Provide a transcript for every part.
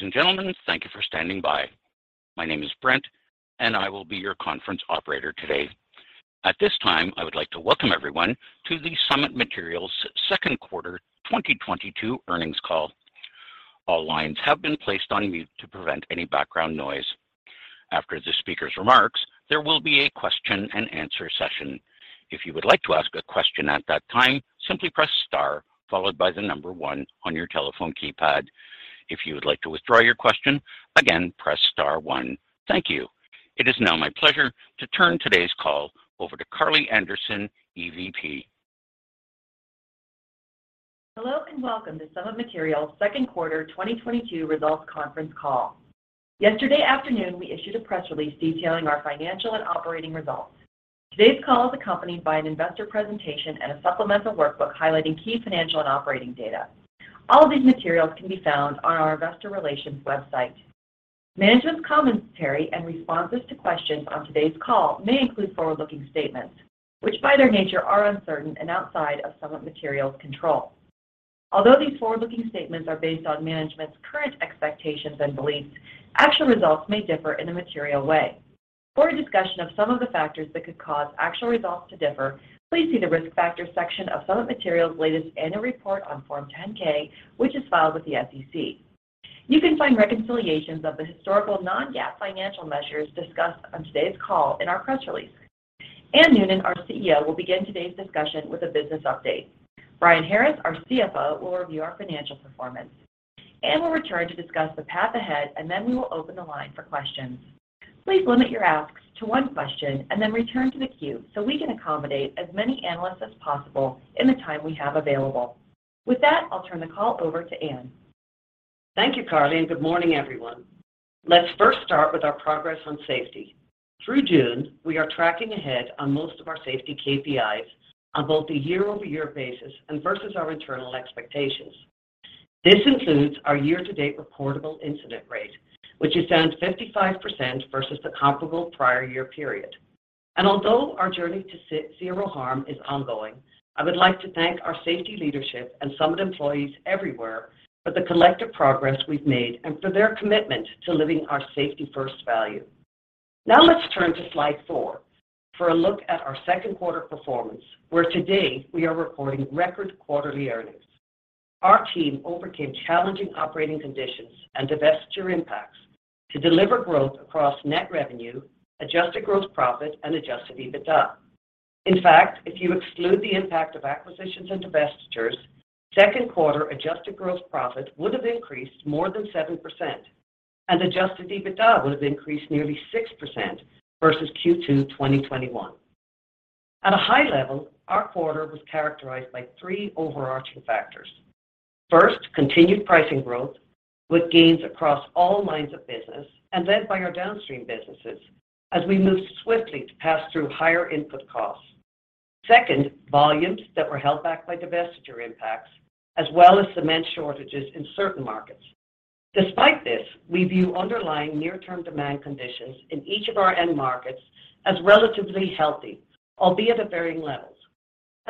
Ladies and gentlemen, thank you for standing by. My name is Brent, and I will be your conference operator today. At this time, I would like to welcome everyone to the Summit Materials second quarter 2022 earnings call. All lines have been placed on mute to prevent any background noise. After the speaker's remarks, there will be a question-and-answer session. If you would like to ask a question at that time, simply press star followed by the number 1 on your telephone keypad. If you would like to withdraw your question, again, press star 1. Thank you. It is now my pleasure to turn today's call over to Karli Anderson, EVP. Hello, and welcome to Summit Materials' second quarter 2022 results conference call. Yesterday afternoon, we issued a press release detailing our financial and operating results. Today's call is accompanied by an investor presentation and a supplemental workbook highlighting key financial and operating data. All of these materials can be found on our investor relations website. Management's commentary and responses to questions on today's call may include forward-looking statements, which by their nature are uncertain and outside of Summit Materials' control. Although these forward-looking statements are based on management's current expectations and beliefs, actual results may differ in a material way. For a discussion of some of the factors that could cause actual results to differ, please see the Risk Factors section of Summit Materials' latest annual report on Form 10-K, which is filed with the SEC. You can find reconciliations of the historical non-GAAP financial measures discussed on today's call in our press release. Anne Noonan, our CEO, will begin today's discussion with a business update. Brian Harris, our CFO, will review our financial performance. Anne will return to discuss the path ahead, and then we will open the line for questions. Please limit your asks to one question and then return to the queue so we can accommodate as many analysts as possible in the time we have available. With that, I'll turn the call over to Anne. Thank you, Karli, and good morning, everyone. Let's first start with our progress on safety. Through June, we are tracking ahead on most of our safety KPIs on both a year-over-year basis and versus our internal expectations. This includes our year-to-date reportable incident rate, which is down 55% versus the comparable prior year period. Although our journey to zero harm is ongoing, I would like to thank our safety leadership and Summit employees everywhere for the collective progress we've made and for their commitment to living our safety first value. Now let's turn to slide four for a look at our second quarter performance, where today we are reporting record quarterly earnings. Our team overcame challenging operating conditions and divestiture impacts to deliver growth across net revenue, adjusted gross profit, and adjusted EBITDA. In fact, if you exclude the impact of acquisitions and divestitures, second quarter adjusted gross profit would have increased more than 7%, and adjusted EBITDA would have increased nearly 6% versus Q2 2021. At a high level, our quarter was characterized by three overarching factors. First, continued pricing growth with gains across all lines of business and led by our downstream businesses as we moved swiftly to pass through higher input costs. Second, volumes that were held back by divestiture impacts, as well as cement shortages in certain markets. Despite this, we view underlying near-term demand conditions in each of our end markets as relatively healthy, albeit at varying levels.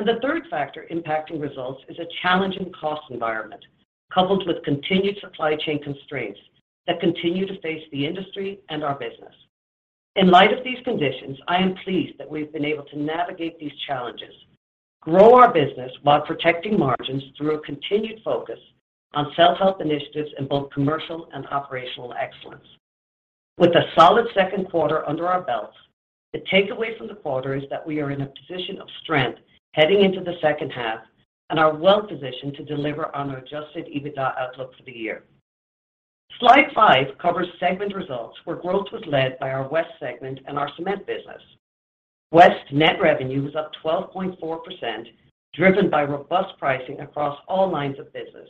The third factor impacting results is a challenging cost environment, coupled with continued supply chain constraints that continue to face the industry and our business. In light of these conditions, I am pleased that we've been able to navigate these challenges, grow our business while protecting margins through a continued focus on self-help initiatives in both commercial and operational excellence. With a solid second quarter under our belts, the takeaway from the quarter is that we are in a position of strength heading into the second half and are well positioned to deliver on our adjusted EBITDA outlook for the year. Slide five covers segment results where growth was led by our West segment and our cement business. West net revenue was up 12.4%, driven by robust pricing across all lines of business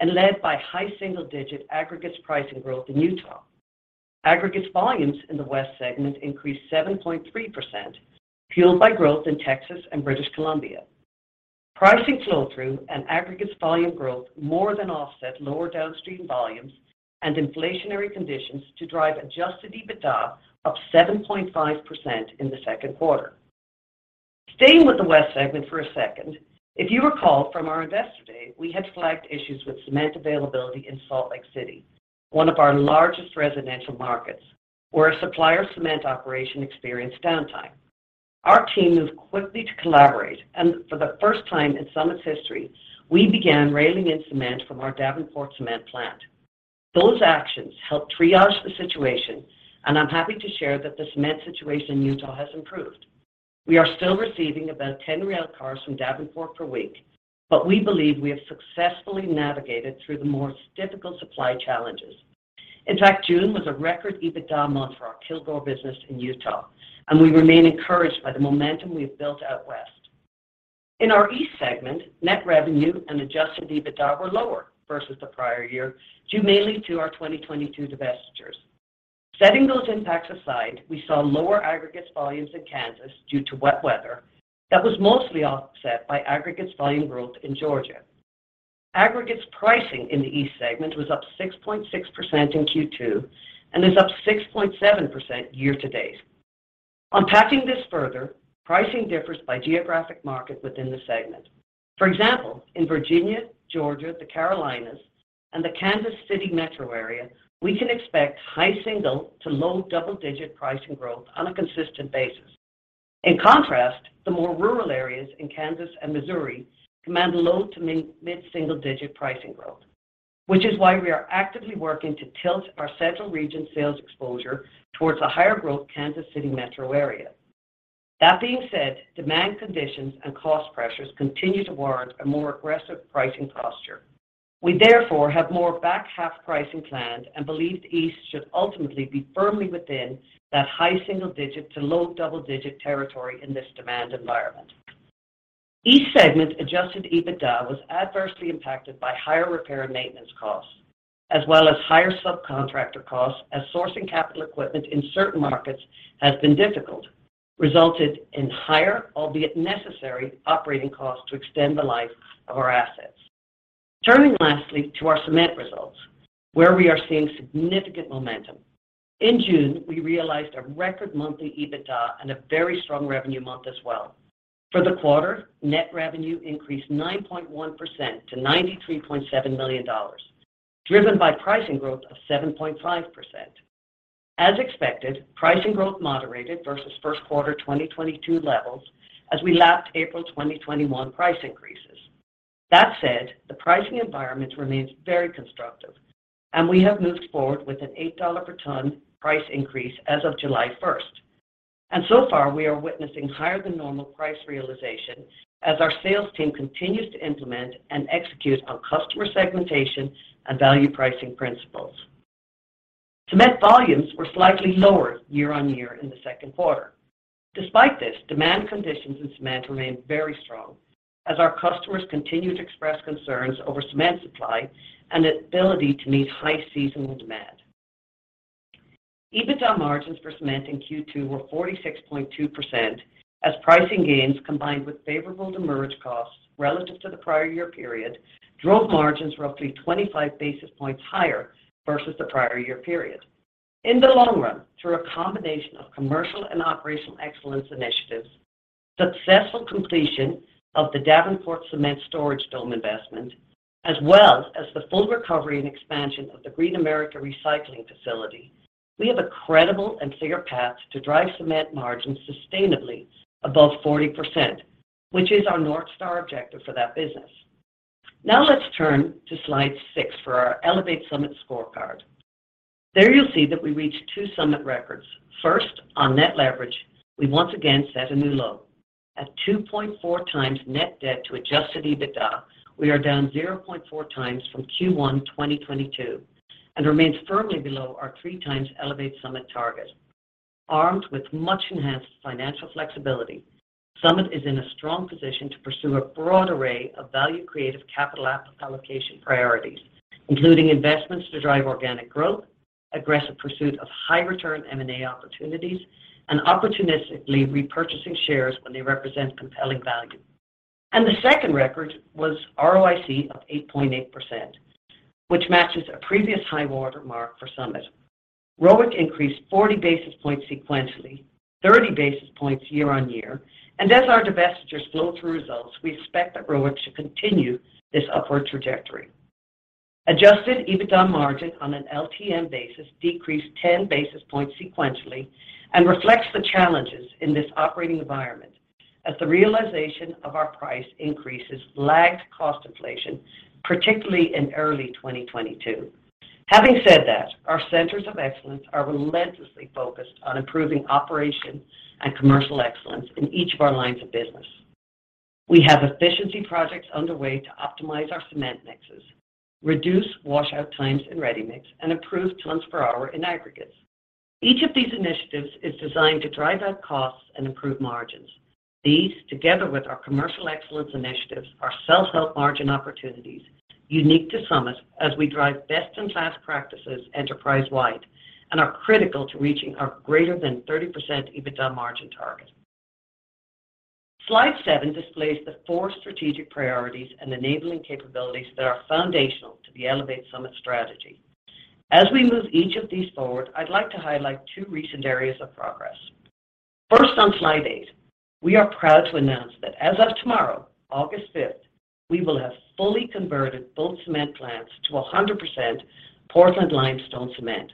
and led by high single-digit aggregates pricing growth in Utah. Aggregates volumes in the West segment increased 7.3%, fueled by growth in Texas and British Columbia. Pricing flow-through and aggregates volume growth more than offset lower downstream volumes and inflationary conditions to drive adjusted EBITDA up 7.5% in the second quarter. Staying with the West segment for a second, if you recall from our Investor Day, we had flagged issues with cement availability in Salt Lake City, one of our largest residential markets, where a supplier cement operation experienced downtime. Our team moved quickly to collaborate, and for the first time in Summit's history, we began railing in cement from our Davenport cement plant. Those actions helped triage the situation, and I'm happy to share that the cement situation in Utah has improved. We are still receiving about 10 rail cars from Davenport per week, but we believe we have successfully navigated through the more difficult supply challenges. In fact, June was a record EBITDA month for our Kilgore business in Utah, and we remain encouraged by the momentum we have built out West. In our East segment, net revenue and adjusted EBITDA were lower versus the prior year, due mainly to our 2022 divestitures. Setting those impacts aside, we saw lower aggregates volumes in Kansas due to wet weather that was mostly offset by aggregates volume growth in Georgia. Aggregates pricing in the East segment was up 6.6% in Q2 and is up 6.7% year-to-date. Unpacking this further, pricing differs by geographic market within the segment. For example, in Virginia, Georgia, the Carolinas, and the Kansas City metro area, we can expect high single- to low double-digit pricing growth on a consistent basis. In contrast, the more rural areas in Kansas and Missouri command low- to mid-single-digit pricing growth, which is why we are actively working to tilt our central region sales exposure towards the higher growth Kansas City metro area. That being said, demand conditions and cost pressures continue to warrant a more aggressive pricing posture. We therefore have more back-half pricing planned and believe East should ultimately be firmly within that high-single-digit to low-double-digit territory in this demand environment. East segment adjusted EBITDA was adversely impacted by higher repair and maintenance costs, as well as higher subcontractor costs as sourcing capital equipment in certain markets has been difficult, resulting in higher, albeit necessary, operating costs to extend the life of our assets. Turning lastly to our cement results, where we are seeing significant momentum. In June, we realized a record monthly EBITDA and a very strong revenue month as well. For the quarter, net revenue increased 9.1% to $93.7 million, driven by pricing growth of 7.5%. As expected, pricing growth moderated versus first quarter 2022 levels as we lapped April 2021 price increases. That said, the pricing environment remains very constructive, and we have moved forward with an $8 per ton price increase as of July 1st. So far, we are witnessing higher than normal price realization as our sales team continues to implement and execute on customer segmentation and value pricing principles. Cement volumes were slightly lower year-on-year in the second quarter. Despite this, demand conditions in cement remained very strong as our customers continue to express concerns over cement supply and ability to meet high seasonal demand. EBITDA margins for cement in Q2 were 46.2% as pricing gains combined with favorable demurrage costs relative to the prior year period drove margins roughly 25 basis points higher versus the prior year period. In the long run, through a combination of commercial and operational excellence initiatives, successful completion of the Davenport Cement Storage Dome investment, as well as the full recovery and expansion of the Green America Recycling facility, we have a credible and clear path to drive cement margins sustainably above 40%, which is our North Star objective for that business. Now let's turn to slide six for our Elevate Summit scorecard. There you'll see that we reached two Summit records. First, on net leverage, we once again set a new low. At 2.4x net debt to adjusted EBITDA, we are down 0.4x from Q1 2022 and remains firmly below our 3x Elevate Summit target. Armed with much-enhanced financial flexibility, Summit is in a strong position to pursue a broad array of value-creative capital allocation priorities, including investments to drive organic growth, aggressive pursuit of high-return M&A opportunities, and opportunistically repurchasing shares when they represent compelling value. The second record was ROIC of 8.8%, which matches a previous high watermark for Summit. ROIC increased 40 basis points sequentially, 30 basis points year-on-year, and as our divestitures flow through results, we expect that ROIC should continue this upward trajectory. Adjusted EBITDA margin on an LTM basis decreased 10 basis points sequentially and reflects the challenges in this operating environment as the realization of our price increases lagged cost inflation, particularly in early 2022. Having said that, our centers of excellence are relentlessly focused on improving operation and commercial excellence in each of our lines of business. We have efficiency projects underway to optimize our cement mixes, reduce washout times in ready-mix, and improve tons per hour in aggregates. Each of these initiatives is designed to drive out costs and improve margins. These, together with our commercial excellence initiatives, are self-help margin opportunities unique to Summit as we drive best-in-class practices enterprise-wide and are critical to reaching our greater than 30% EBITDA margin target. Slide seven displays the four strategic priorities and enabling capabilities that are foundational to the Elevate Summit strategy. As we move each of these forward, I'd like to highlight two recent areas of progress. First, on slide eight, we are proud to announce that as of tomorrow, August fifth, we will have fully converted both cement plants to 100% Portland Limestone Cement.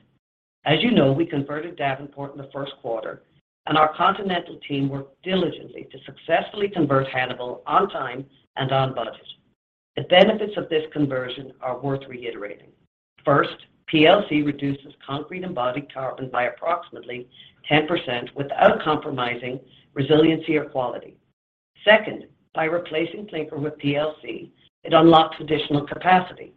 As you know, we converted Davenport in the first quarter, and our Continental team worked diligently to successfully convert Hannibal on time and on budget. The benefits of this conversion are worth reiterating. First, PLC reduces concrete embodied carbon by approximately 10% without compromising resiliency or quality. Second, by replacing clinker with PLC, it unlocks additional capacity.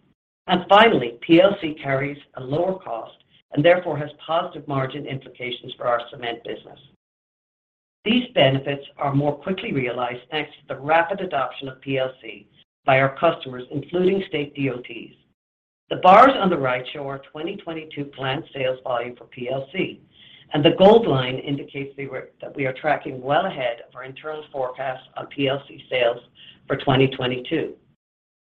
Finally, PLC carries a lower cost and therefore has positive margin implications for our cement business. These benefits are more quickly realized thanks to the rapid adoption of PLC by our customers, including state DOTs. The bars on the right show our 2022 plant sales volume for PLC, and the gold line indicates we are tracking well ahead of our internal forecast on PLC sales for 2022.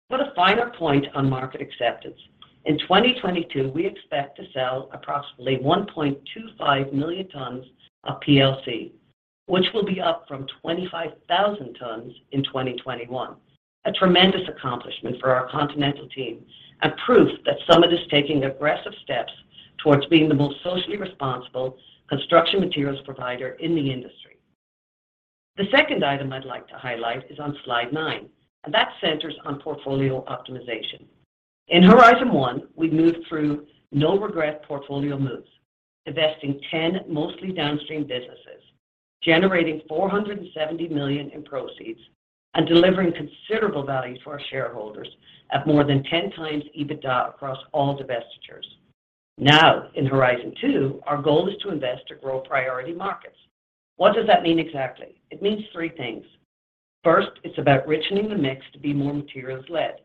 Put a finer point on market acceptance. In 2022, we expect to sell approximately 1.25 million tons of PLC, which will be up from 25,000 tons in 2021. A tremendous accomplishment for our continental team and proof that Summit is taking aggressive steps towards being the most socially responsible construction materials provider in the industry. The second item I'd like to highlight is on slide nine, and that centers on portfolio optimization. In Horizon One, we've moved through no regret portfolio moves, divesting 10 mostly downstream businesses, generating $470 million in proceeds, and delivering considerable value for our shareholders at more than 10x EBITDA across all divestitures. Now, in Horizon Two, our goal is to invest to grow priority markets. What does that mean exactly? It means three things. First, it's about richening the mix to be more materials-led.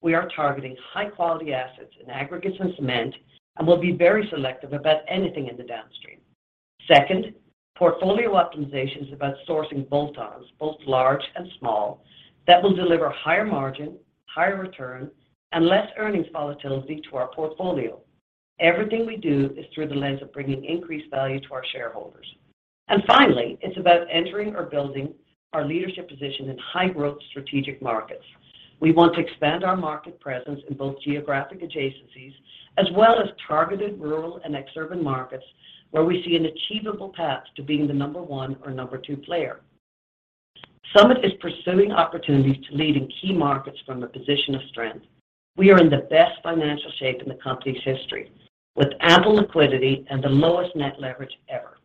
We are targeting high-quality assets in aggregates and cement, and we'll be very selective about anything in the downstream. Second, portfolio optimization is about sourcing bolt-ons, both large and small, that will deliver higher margin, higher return, and less earnings volatility to our portfolio. Everything we do is through the lens of bringing increased value to our shareholders. Finally, it's about entering or building our leadership position in high-growth strategic markets. We want to expand our market presence in both geographic adjacencies as well as targeted rural and exurban markets where we see an achievable path to being the number one or number two player. Summit is pursuing opportunities to lead in key markets from a position of strength. We are in the best financial shape in the company's history, with ample liquidity and the lowest net leverage ever.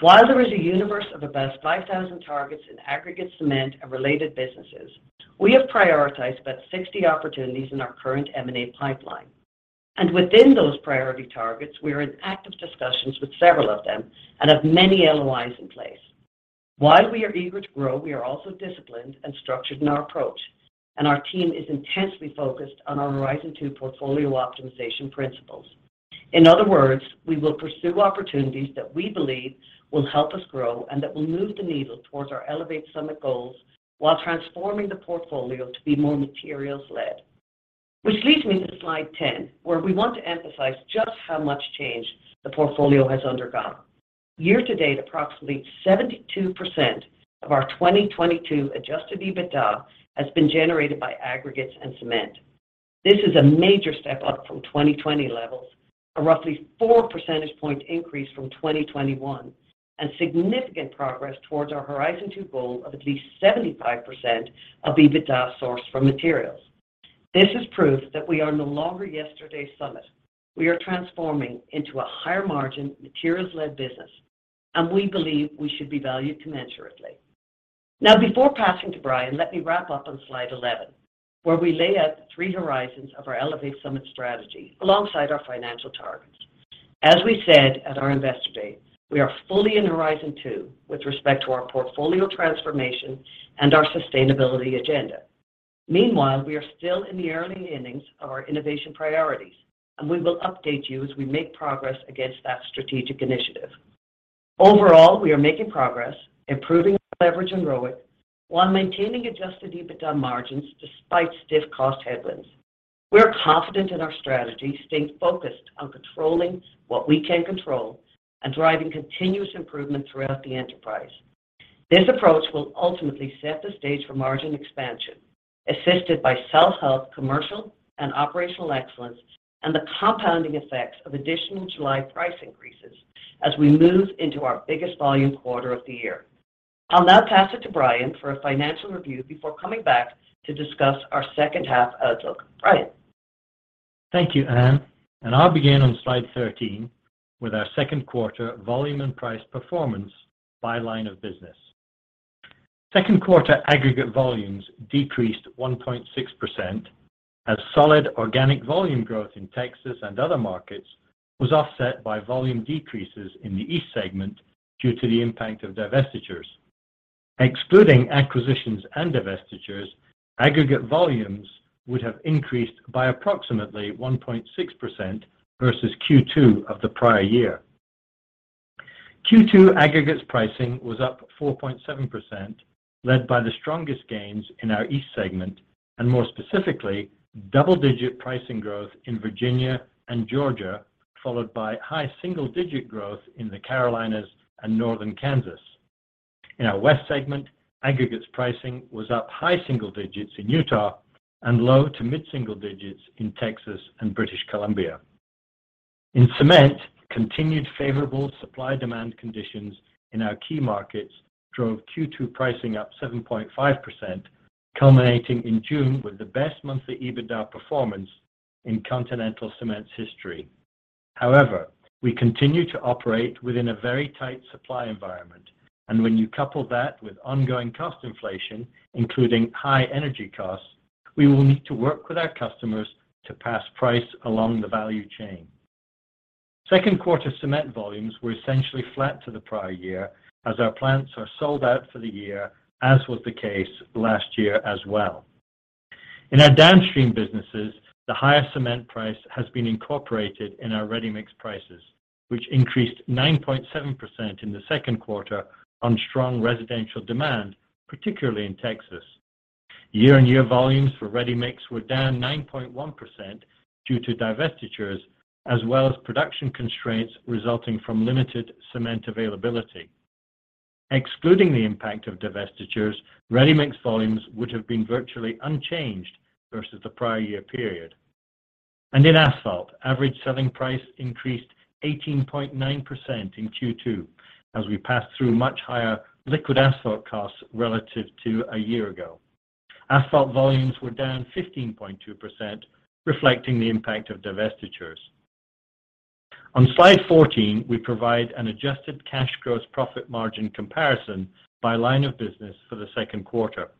While there is a universe of about 5,000 targets in aggregate cement and related businesses, we have prioritized about 60 opportunities in our current M&A pipeline. Within those priority targets, we are in active discussions with several of them and have many LOIs in place. While we are eager to grow, we are also disciplined and structured in our approach, and our team is intensely focused on our Horizon Two portfolio optimization principles. In other words, we will pursue opportunities that we believe will help us grow and that will move the needle towards our Elevate Summit goals while transforming the portfolio to be more materials-led. Which leads me to slide ten, where we want to emphasize just how much change the portfolio has undergone. Year-to-date, approximately 72% of our 2022 adjusted EBITDA has been generated by aggregates and cement. This is a major step-up from 2020 levels, a roughly four percentage point increase from 2021, and significant progress towards our Horizon Two goal of at least 75% of EBITDA sourced from materials. This is proof that we are no longer yesterday's Summit. We are transforming into a higher-margin, materials-led business, and we believe we should be valued commensurately. Now, before passing to Brian, let me wrap up on slide 11, where we lay out the three horizons of our Elevate Summit strategy alongside our financial targets. As we said at our Investor Day, we are fully in Horizon Two with respect to our portfolio transformation and our sustainability agenda. Meanwhile, we are still in the early innings of our innovation priorities, and we will update you as we make progress against that strategic initiative. Overall, we are making progress, improving leverage and ROIC, while maintaining adjusted EBITDA margins despite stiff cost headwinds. We are confident in our strategy, staying focused on controlling what we can control and driving continuous improvement throughout the enterprise. This approach will ultimately set the stage for margin expansion, assisted by self-help commercial and operational excellence and the compounding effects of additional July price increases as we move into our biggest volume quarter of the year. I'll now pass it to Brian for a financial review before coming back to discuss our second half outlook. Brian. Thank you, Anne, and I'll begin on slide 13 with our second quarter volume and price performance by line of business. Second quarter aggregate volumes decreased 1.6% as solid organic volume growth in Texas and other markets was offset by volume decreases in the East segment due to the impact of divestitures. Excluding acquisitions and divestitures, aggregate volumes would have increased by approximately 1.6% versus Q2 of the prior year. Q2 aggregates pricing was up 4.7%, led by the strongest gains in our East segment, and more specifically, double-digit pricing growth in Virginia and Georgia, followed by high single-digit growth in the Carolinas and northern Kansas. In our West segment, aggregates pricing was up high single digits in Utah and low to mid-single digits in Texas and British Columbia. In cement, continued favorable supply-demand conditions in our key markets drove Q2 pricing up 7.5%, culminating in June with the best monthly EBITDA performance in Continental Cement's history. However, we continue to operate within a very tight supply environment, and when you couple that with ongoing cost inflation, including high energy costs, we will need to work with our customers to pass price along the value chain. Second quarter cement volumes were essentially flat to the prior year as our plants are sold out for the year, as was the case last year as well. In our downstream businesses, the higher cement price has been incorporated in our ready-mix prices, which increased 9.7% in the second quarter on strong residential demand, particularly in Texas. Year-on-year volumes for ready-mix were down 9.1% due to divestitures as well as production constraints resulting from limited cement availability. Excluding the impact of divestitures, ready-mix volumes would have been virtually unchanged versus the prior year period. In asphalt, average selling price increased 18.9% in Q2 as we passed through much higher liquid asphalt costs relative to a year ago. Asphalt volumes were down 15.2%, reflecting the impact of divestitures. On slide 14, we provide an adjusted cash gross profit margin comparison by line of business for the second quarter.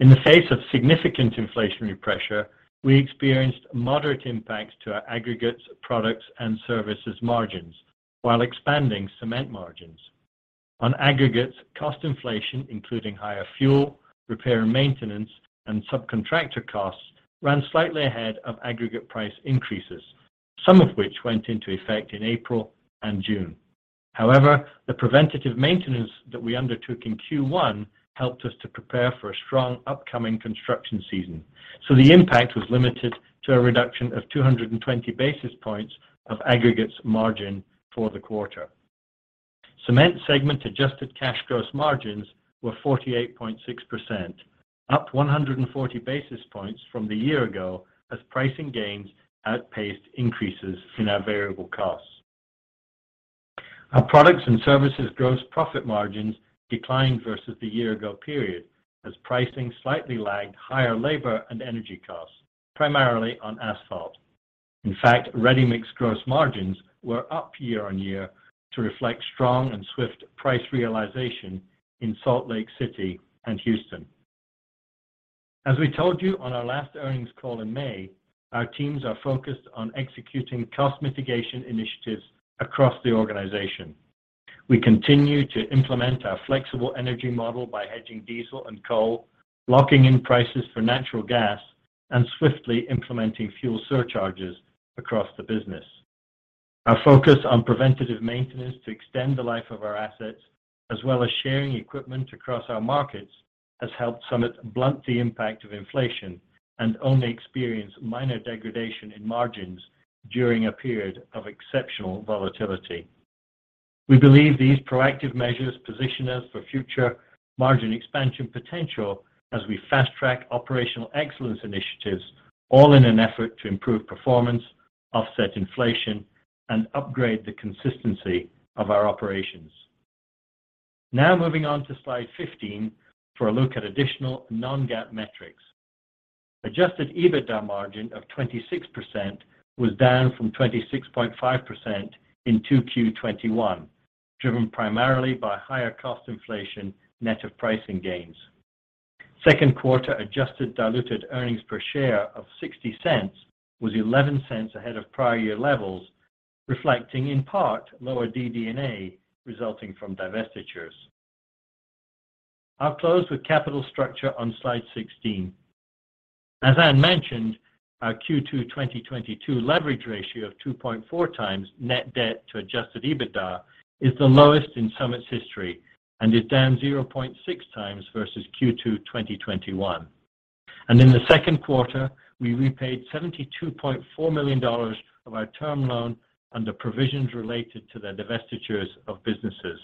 In the face of significant inflationary pressure, we experienced moderate impacts to our aggregates, products, and services margins while expanding cement margins. On aggregates, cost inflation, including higher fuel, repair and maintenance, and subcontractor costs, ran slightly ahead of aggregate price increases, some of which went into effect in April and June. However, the preventative maintenance that we undertook in Q1 helped us to prepare for a strong upcoming construction season. The impact was limited to a reduction of 220 basis points of aggregates margin for the quarter. Cement segment adjusted cash gross margins were 48.6%, up 140 basis points from the year-ago as pricing gains outpaced increases in our variable costs. Our products and services gross profit margins declined versus the year-ago period as pricing slightly lagged higher labor and energy costs, primarily on asphalt. In fact, ready-mix gross margins were up year-on-year to reflect strong and swift price realization in Salt Lake City and Houston. As we told you on our last earnings call in May, our teams are focused on executing cost mitigation initiatives across the organization. We continue to implement our flexible energy model by hedging diesel and coal, locking in prices for natural gas, and swiftly implementing fuel surcharges across the business. Our focus on preventative maintenance to extend the life of our assets, as well as sharing equipment across our markets, has helped Summit blunt the impact of inflation and only experience minor degradation in margins during a period of exceptional volatility. We believe these proactive measures position us for future margin expansion potential as we fast-track operational excellence initiatives, all in an effort to improve performance, offset inflation, and upgrade the consistency of our operations. Now moving on to slide 15 for a look at additional non-GAAP metrics. Adjusted EBITDA margin of 26% was down from 26.5% in 2Q 2021, driven primarily by higher cost inflation net of pricing gains. Second quarter adjusted diluted earnings per share of $0.60 was $0.11 ahead of prior year levels, reflecting in part lower DD&A resulting from divestitures. I'll close with capital structure on slide 16. As Anne mentioned, our 2Q 2022 leverage ratio of 2.4x net debt to adjusted EBITDA is the lowest in Summit's history and is down 0.6x versus 2Q 2021. In the second quarter, we repaid $72.4 million of our term loan under provisions related to the divestitures of businesses.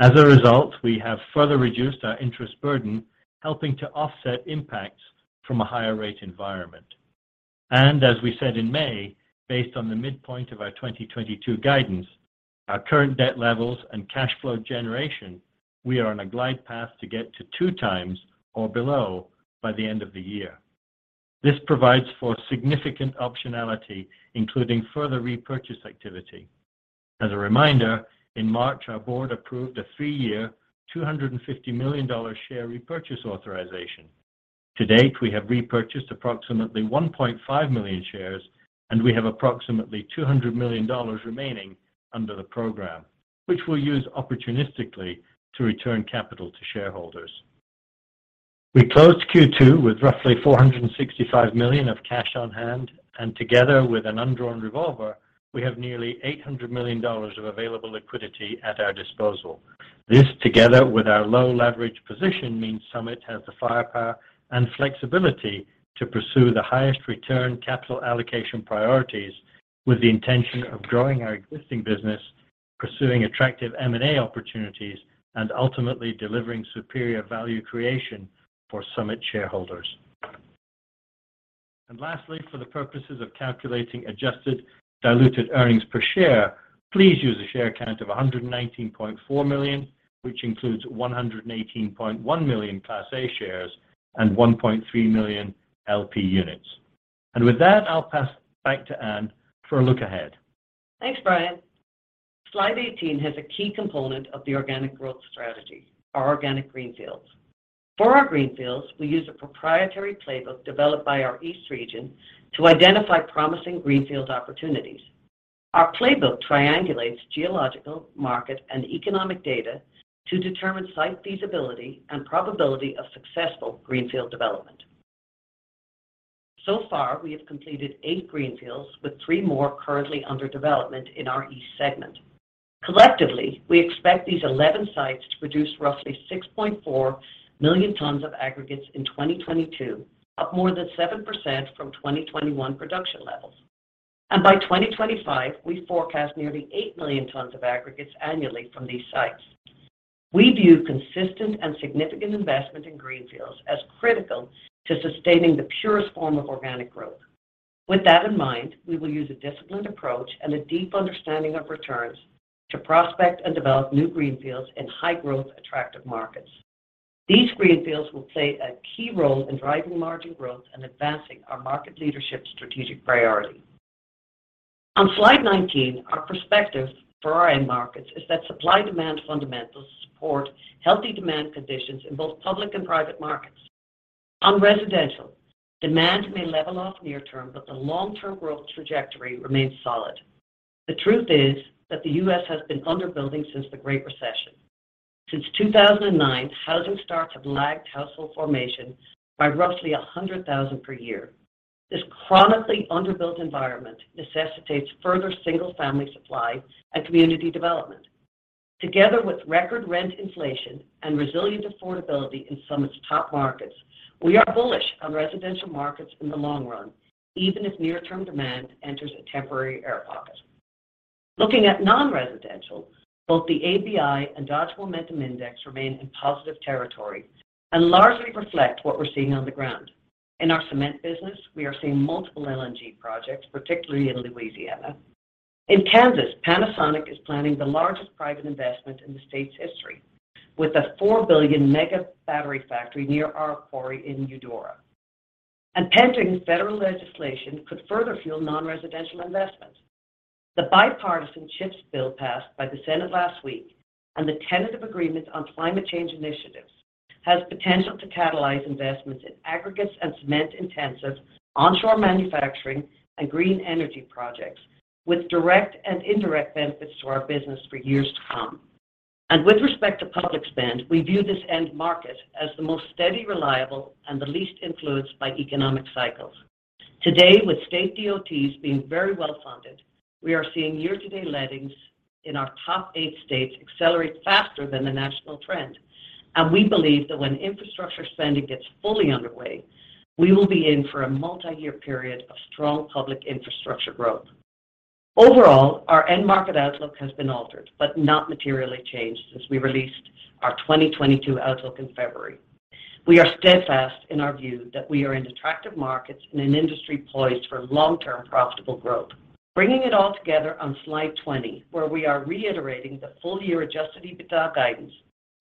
As a result, we have further reduced our interest burden, helping to offset impacts from a higher rate environment. As we said in May, based on the midpoint of our 2022 guidance, our current debt levels, and cash flow generation, we are on a glide path to get to 2x or below by the end of the year. This provides for significant optionality, including further repurchase activity. As a reminder, in March, our board approved a three-year $250 million share repurchase authorization. To date, we have repurchased approximately 1.5 million shares, and we have approximately $200 million remaining under the program, which we'll use opportunistically to return capital to shareholders. We closed Q2 with roughly $465 million of cash on hand, and together with an undrawn revolver, we have nearly $800 million of available liquidity at our disposal. This, together with our low leverage position, means Summit has the firepower and flexibility to pursue the highest return capital allocation priorities with the intention of growing our existing business, pursuing attractive M&A opportunities, and ultimately delivering superior value creation for Summit shareholders. Lastly, for the purposes of calculating adjusted diluted earnings per share, please use a share count of 119.4 million, which includes 118.1 million Class A shares and 1.3 million LP units. With that, I'll pass it back to Anne for a look ahead. Thanks, Brian. Slide 18 has a key component of the organic growth strategy, our organic greenfields. For our greenfields, we use a proprietary playbook developed by our East region to identify promising greenfield opportunities. Our playbook triangulates geological, market, and economic data to determine site feasibility and probability of successful greenfield development. So far, we have completed eight greenfields with three more currently under development in our East segment. Collectively, we expect these 11 sites to produce roughly 6.4 million tons of aggregates in 2022, up more than 7% from 2021 production levels. By 2025, we forecast nearly 8 million tons of aggregates annually from these sites. We view consistent and significant investment in greenfields as critical to sustaining the purest form of organic growth. With that in mind, we will use a disciplined approach and a deep understanding of returns to prospect and develop new greenfields in high growth, attractive markets. These greenfields will play a key role in driving margin growth and advancing our market leadership strategic priority. On slide 19, our perspective for our end markets is that supply demand fundamentals support healthy demand conditions in both public and private markets. On residential, demand may level off near term, but the long-term growth trajectory remains solid. The truth is that the U.S. has been under-building since the Great Recession. Since 2009, housing starts have lagged household formation by roughly 100,000 per year. This chronically under-built environment necessitates further single-family supply and community development. Together with record rent inflation and resilient affordability in some of its top markets, we are bullish on residential markets in the long run, even if near-term demand enters a temporary air pocket. Looking at non-residential, both the ABI and Dodge Momentum Index remain in positive territory and largely reflect what we're seeing on the ground. In our cement business, we are seeing multiple LNG projects, particularly in Louisiana. In Kansas, Panasonic is planning the largest private investment in the state's history with a $4 billion mega battery factory near our quarry in Eudora. Pending federal legislation could further fuel non-residential investments. The bipartisan CHIPS bill passed by the Senate last week, and the tentative agreement on climate change initiatives has potential to catalyze investments in aggregates and cement-intensive onshore manufacturing and green energy projects with direct and indirect benefits to our business for years to come. With respect to public spend, we view this end market as the most steady, reliable, and the least influenced by economic cycles. Today, with state DOTs being very well funded, we are seeing year-to-date lettings in our top eight states accelerate faster than the national trend. We believe that when infrastructure spending gets fully underway, we will be in for a multi-year period of strong public infrastructure growth. Overall, our end market outlook has been altered, but not materially changed since we released our 2022 outlook in February. We are steadfast in our view that we are in attractive markets in an industry poised for long-term profitable growth. Bringing it all together on slide 20, where we are reiterating the full-year adjusted EBITDA guidance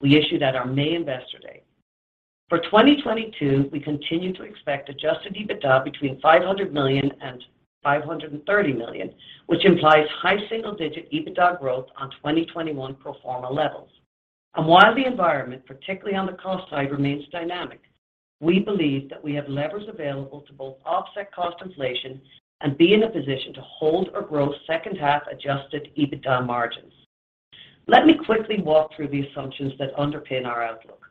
we issued at our May investor day. For 2022, we continue to expect adjusted EBITDA between $500 million and $530 million, which implies high single-digit EBITDA growth on 2021 pro forma levels. While the environment, particularly on the cost side, remains dynamic, we believe that we have levers available to both offset cost inflation and be in a position to hold or grow second half adjusted EBITDA margins. Let me quickly walk through the assumptions that underpin our outlook.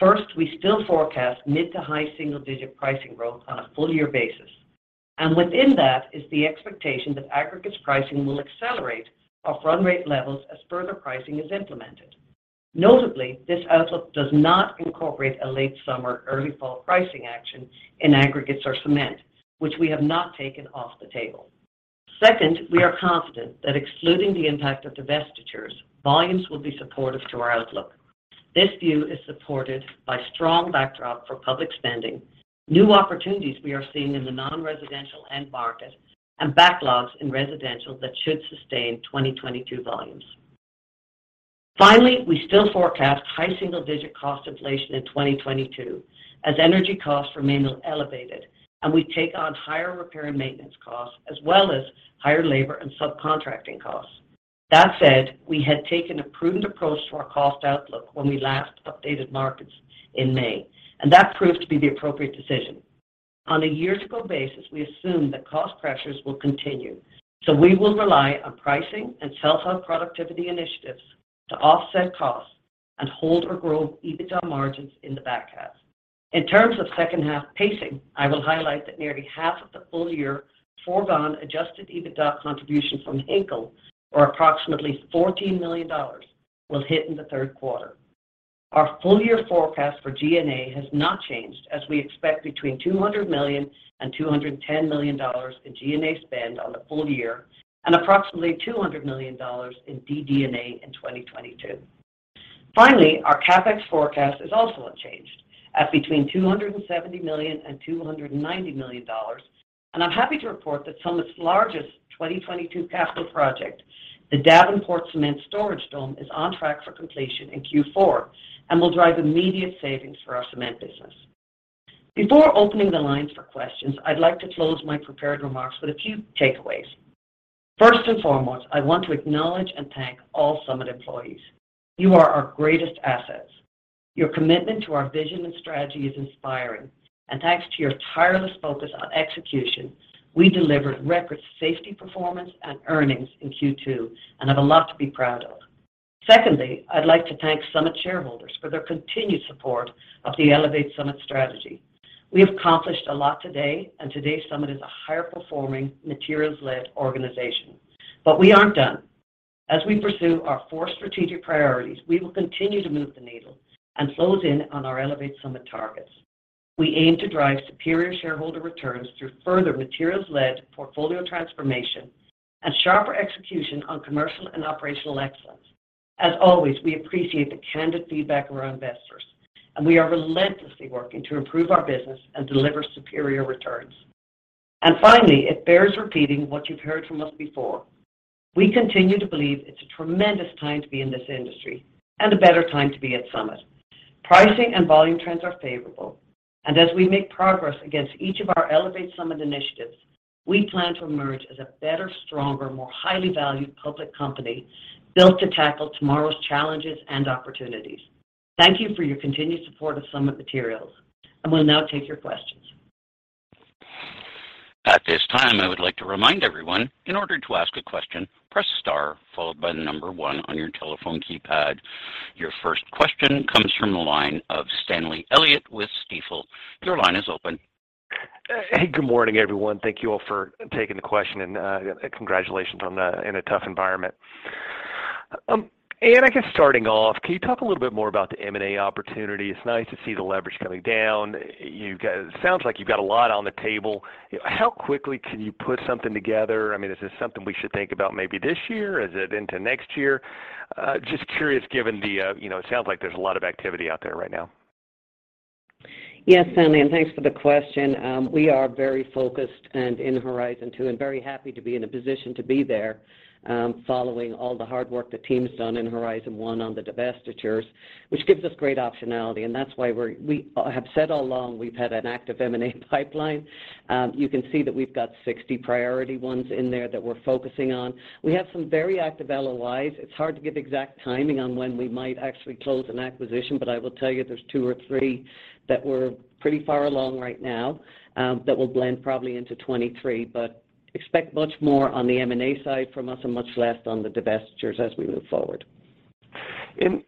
First, we still forecast mid- to high single-digit pricing growth on a full year basis. Within that is the expectation that aggregates pricing will accelerate off run rate levels as further pricing is implemented. Notably, this outlook does not incorporate a late summer, early fall pricing action in aggregates or cement, which we have not taken off the table. Second, we are confident that excluding the impact of divestitures, volumes will be supportive to our outlook. This view is supported by strong backdrop for public spending, new opportunities we are seeing in the non-residential end market, and backlogs in residential that should sustain 2022 volumes. Finally, we still forecast high single-digit cost inflation in 2022 as energy costs remain elevated and we take on higher repair and maintenance costs, as well as higher labor and subcontracting costs. That said, we had taken a prudent approach to our cost outlook when we last updated markets in May, and that proved to be the appropriate decision. On a year-to-go basis, we assume that cost pressures will continue, so we will rely on pricing and sell-through productivity initiatives to offset costs and hold or grow EBITDA margins in the back half. In terms of second half pacing, I will highlight that nearly half of the full-year foregone adjusted EBITDA contribution from Hinkle, or approximately $14 million, was hit in the third quarter. Our full-year forecast for G&A has not changed as we expect between $200 million and $210 million in G&A spend on the full year and approximately $200 million in DD&A in 2022. Finally, our CapEx forecast is also unchanged at between $270 million and $290 million. I'm happy to report that Summit's largest 2022 capital project, the Davenport Cement Storage Dome, is on track for completion in Q4 and will drive immediate savings for our cement business. Before opening the lines for questions, I'd like to close my prepared remarks with a few takeaways. First and foremost, I want to acknowledge and thank all Summit employees. You are our greatest assets. Your commitment to our vision and strategy is inspiring. Thanks to your tireless focus on execution, we delivered record safety performance and earnings in Q2, and have a lot to be proud of. Secondly, I'd like to thank Summit shareholders for their continued support of the Elevate Summit strategy. We have accomplished a lot today, and today's Summit is a higher performing materials-led organization. We aren't done. As we pursue our four strategic priorities, we will continue to move the needle and close in on our Elevate Summit targets. We aim to drive superior shareholder returns through further materials-led portfolio transformation and sharper execution on commercial and operational excellence. As always, we appreciate the candid feedback of our investors, and we are relentlessly working to improve our business and deliver superior returns. Finally, it bears repeating what you've heard from us before. We continue to believe it's a tremendous time to be in this industry and a better time to be at Summit. Pricing and volume trends are favorable, and as we make progress against each of our Elevate Summit initiatives, we plan to emerge as a better, stronger, more highly valued public company built to tackle tomorrow's challenges and opportunities. Thank you for your continued support of Summit Materials, and we'll now take your questions. At this time, I would like to remind everyone, in order to ask a question, press star followed by the number one on your telephone keypad. Your first question comes from the line of Stanley Elliott with Stifel. Your line is open. Hey, good morning, everyone. Thank you all for taking the question, and congratulations on that in a tough environment. Anne, I guess starting off, can you talk a little bit more about the M&A opportunity? It's nice to see the leverage coming down. You guys. It sounds like you've got a lot on the table. How quickly can you put something together? I mean, is this something we should think about maybe this year? Is it into next year? Just curious, given the, you know, it sounds like there's a lot of activity out there right now. Yes, Stanley, and thanks for the question. We are very focused on Horizon Two and very happy to be in a position to be there, following all the hard work the team's done in Horizon One on the divestitures, which gives us great optionality, and that's why we have said all along we've had an active M&A pipeline. You can see that we've got 60 priority ones in there that we're focusing on. We have some very active LOIs. It's hard to give exact timing on when we might actually close an acquisition, but I will tell you there's two or three that we're pretty far along right now, that will close probably into 2023. Expect much more on the M&A side from us and much less on the divestitures as we move forward.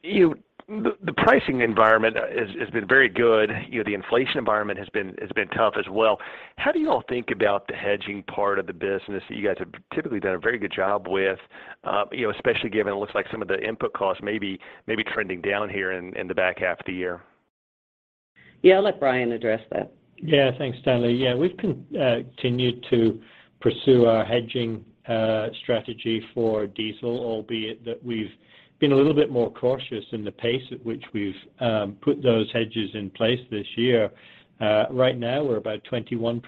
You, the pricing environment has been very good. You know, the inflation environment has been tough as well. How do you all think about the hedging part of the business that you guys have typically done a very good job with, you know, especially given it looks like some of the input costs may be trending down here in the back half of the year? Yeah, I'll let Brian address that. Yeah. Thanks, Stanley. Yeah, we've continued to pursue our hedging strategy for diesel, albeit that we've been a little bit more cautious in the pace at which we've put those hedges in place this year. Right now, we're about 21%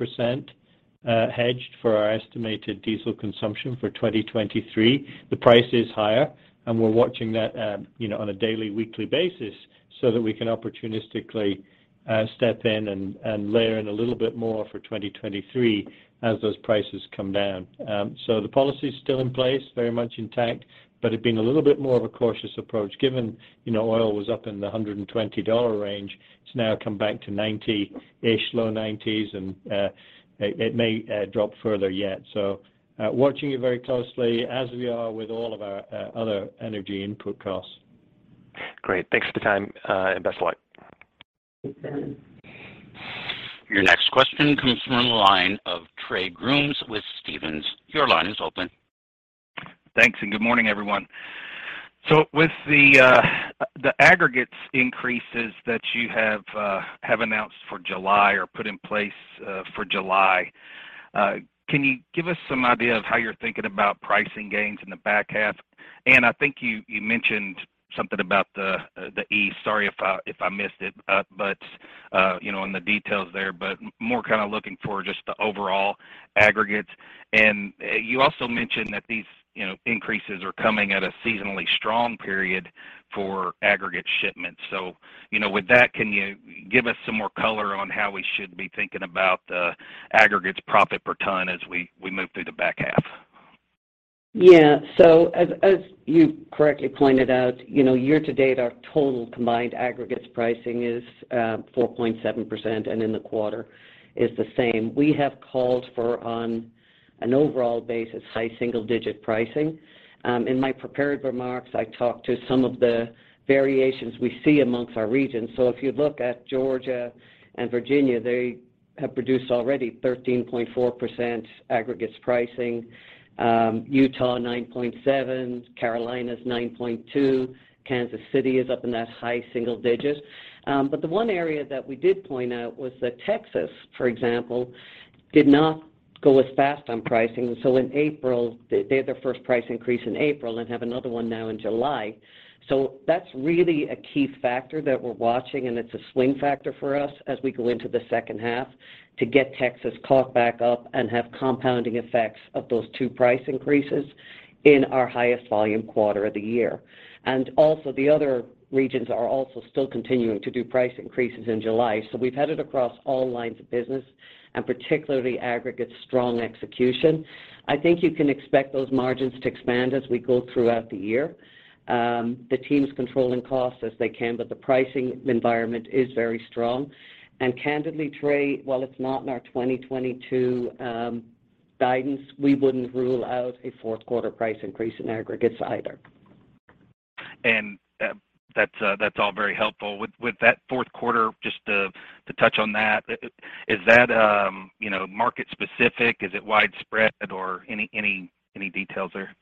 hedged for our estimated diesel consumption for 2023. The price is higher, and we're watching that, you know, on a daily, weekly basis so that we can opportunistically step in and layer in a little bit more for 2023 as those prices come down. So the policy is still in place, very much intact, but it's been a little bit more of a cautious approach given, you know, oil was up in the $120 range. It's now come back to ninety-ish, low 90s, and it may drop further yet. Watching it very closely as we are with all of our other energy input costs. Great. Thanks for the time, and best of luck. Thanks, Stanley. Your next question comes from the line of Trey Grooms with Stephens. Your line is open. Thanks, good morning, everyone. With the aggregates increases that you have announced for July or put in place for July, can you give us some idea of how you're thinking about pricing gains in the back half? Anne, I think you mentioned something about the East. Sorry if I missed it, but you know, in the details there, but more kind of looking for just the overall aggregates. You also mentioned that these increases are coming at a seasonally strong period for aggregate shipments. You know, with that, can you give us some more color on how we should be thinking about the aggregates profit per ton as we move through the back half? Yeah. As you correctly pointed out, you know, year-to-date, our total combined aggregates pricing is 4.7%, and in the quarter is the same. We have called for on an overall basis, high single digit pricing. In my prepared remarks, I talked to some of the variations we see amongst our regions. If you look at Georgia and Virginia, they have produced already 13.4% aggregates pricing, Utah 9.7%, Carolinas 9.2%. Kansas City is up in that high single digits. The one area that we did point out was that Texas, for example, did not go as fast on pricing. In April, they had their first price increase in April and have another one now in July. That's really a key factor that we're watching, and it's a swing factor for us as we go into the second half to get Texas caught back up and have compounding effects of those two price increases in our highest volume quarter of the year. The other regions are also still continuing to do price increases in July. We've had it across all lines of business, and particularly aggregate strong execution. I think you can expect those margins to expand as we go throughout the year. The team's controlling costs as they can, but the pricing environment is very strong. Candidly, Trey, while it's not in our 2022 Guidance, we wouldn't rule out a fourth quarter price increase in aggregates either. That's all very helpful. With that fourth quarter, just to touch on that, is that, you know, market-specific? Is it widespread, or any details there?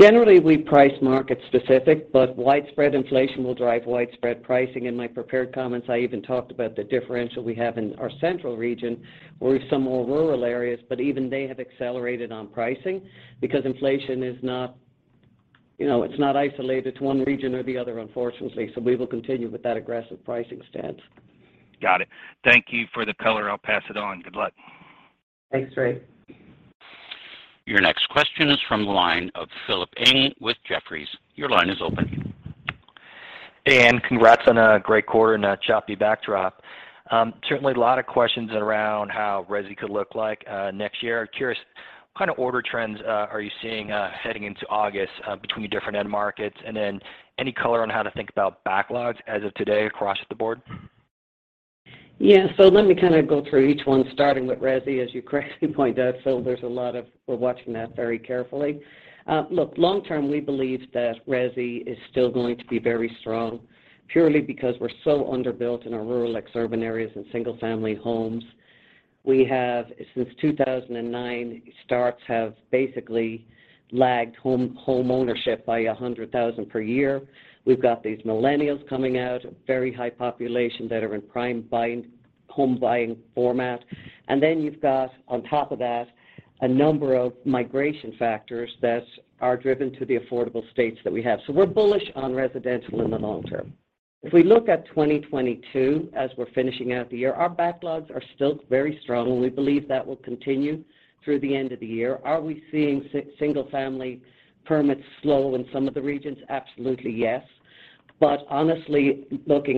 Generally, we price market-specific, but widespread inflation will drive widespread pricing. In my prepared comments, I even talked about the differential we have in our central region or some more rural areas, but even they have accelerated on pricing because inflation is not, you know, it's not isolated to one region or the other, unfortunately. We will continue with that aggressive pricing stance. Got it. Thank you for the color. I'll pass it on. Good luck. Thanks, Trey. Your next question is from the line of Philip Ng with Jefferies. Your line is open. Hey, Anne. Congrats on a great quarter and a choppy backdrop. Certainly a lot of questions around how resi could look like next year. Curious, what kind of order trends are you seeing heading into August between your different end markets? Any color on how to think about backlogs as of today across the board? Yeah. Let me kinda go through each one, starting with resi, as you correctly pointed out. Phil, we're watching that very carefully. Look, long term, we believe that resi is still going to be very strong purely because we're so underbuilt in our rural exurban areas and single family homes. We have, since 2009, starts have basically lagged homeownership by 100,000 per year. We've got these millennials coming out, a very high population that are in prime buying, home buying format. Then you've got, on top of that, a number of migration factors that are driven to the affordable states that we have. We're bullish on residential in the long term. If we look at 2022, as we're finishing out the year, our backlogs are still very strong, and we believe that will continue through the end of the year. Are we seeing single family permits slow in some of the regions? Absolutely, yes. Honestly,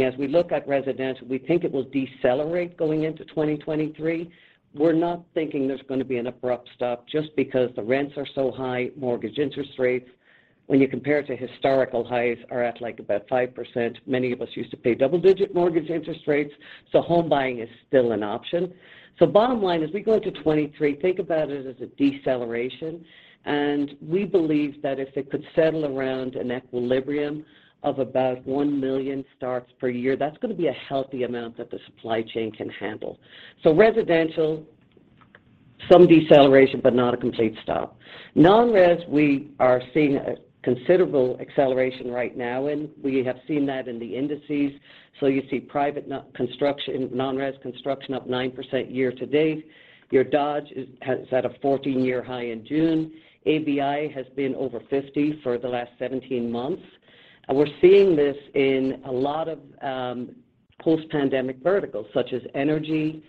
as we look at residential, we think it will decelerate going into 2023. We're not thinking there's gonna be an abrupt stop just because the rents are so high. Mortgage interest rates, when you compare it to historical highs, are at, like, about 5%. Many of us used to pay double-digit mortgage interest rates, so home buying is still an option. Bottom line, as we go into 2023, think about it as a deceleration. We believe that if it could settle around an equilibrium of about 1 million starts per year, that's gonna be a healthy amount that the supply chain can handle. Residential, some deceleration, but not a complete stop. Non-res, we are seeing a considerable acceleration right now, and we have seen that in the indices. You see private non-res construction, non-res construction, up 9% year-to-date. Your Dodge is at a 14-year high in June. ABI has been over 50 for the last 17 months. We're seeing this in a lot of post-pandemic verticals, such as energy,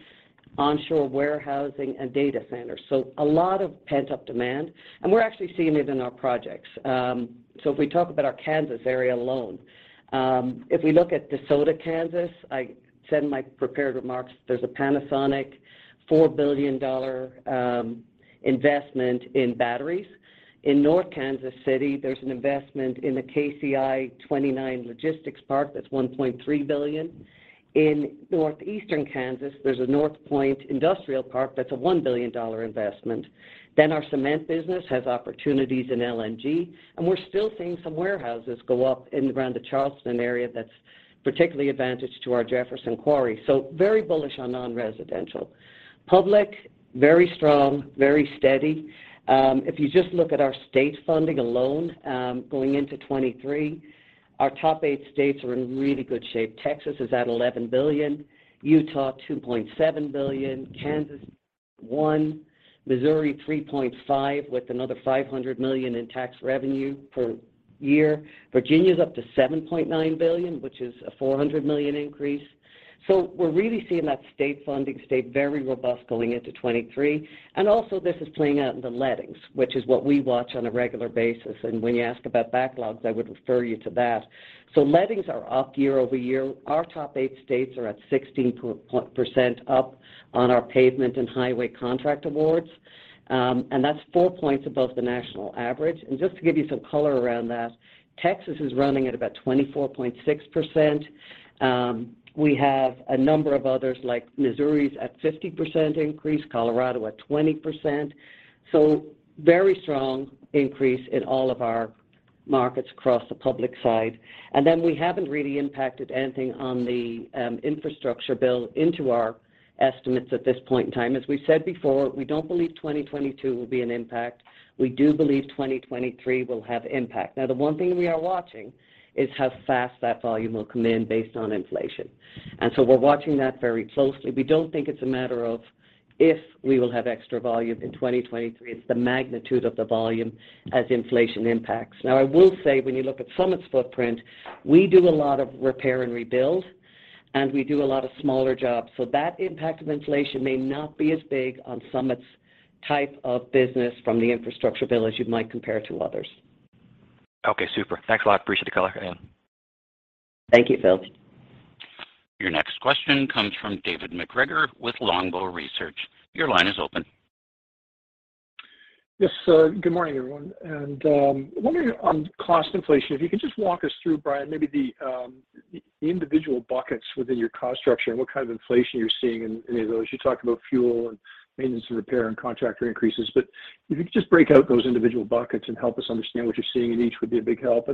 onshore warehousing, and data centers. A lot of pent-up demand, and we're actually seeing it in our projects. If we talk about our Kansas area alone, if we look at De Soto, Kansas, I said in my prepared remarks, there's a Panasonic $4 billion investment in batteries. In North Kansas City, there's an investment in the KCI 29 Logistics Park that's $1.3 billion. In Northeastern Kansas, there's a NorthPoint Industrial Park that's a $1 billion investment. Then our cement business has opportunities in LNG, and we're still seeing some warehouses go up in around the Kansas City area that's particularly advantageous to our Jefferson Quarry. Very bullish on non-residential. Public, very strong, very steady. If you just look at our state funding alone, going into 2023, our top eight states are in really good shape. Texas is at $11 billion. Utah, $2.7 billion. Kansas, $1 billion. Missouri, $3.5 billion with another $500 million in tax revenue per year. Virginia's up to $7.9 billion, which is a $400 million increase. We're really seeing that state funding stay very robust going into 2023. This is playing out in the lettings, which is what we watch on a regular basis. When you ask about backlogs, I would refer you to that. Lettings are up year-over-year. Our top eight states are at 16% up on our pavement and highway contract awards, and that's 4 points above the national average. Just to give you some color around that, Texas is running at about 24.6%. We have a number of others, like Missouri's at 50% increase, Colorado at 20%. Very strong increase in all of our markets across the public side. We haven't really incorporated anything on the infrastructure bill into our estimates at this point in time. As we said before, we don't believe 2022 will be an impact. We do believe 2023 will have impact. Now, the one thing we are watching is how fast that volume will come in based on inflation, and so we're watching that very closely. We don't think it's a matter of if we will have extra volume in 2023. It's the magnitude of the volume as inflation impacts. Now, I will say, when you look at Summit's footprint, we do a lot of repair and rebuild, and we do a lot of smaller jobs. That impact of inflation may not be as big on Summit's type of business from the infrastructure bill as you might compare to others. Okay, super. Thanks a lot. Appreciate the color, Anne. Thank you, Phil.Your next question comes from David MacGregor with Longbow Research. Your line is open. Yes, sir. Good morning, everyone. Wondering on cost inflation, if you could just walk us through, Brian, maybe the individual buckets within your cost structure and what kind of inflation you're seeing in any of those. You talked about fuel and maintenance and repair and contractor increases, but if you could just break out those individual buckets and help us understand what you're seeing in each would be a big help.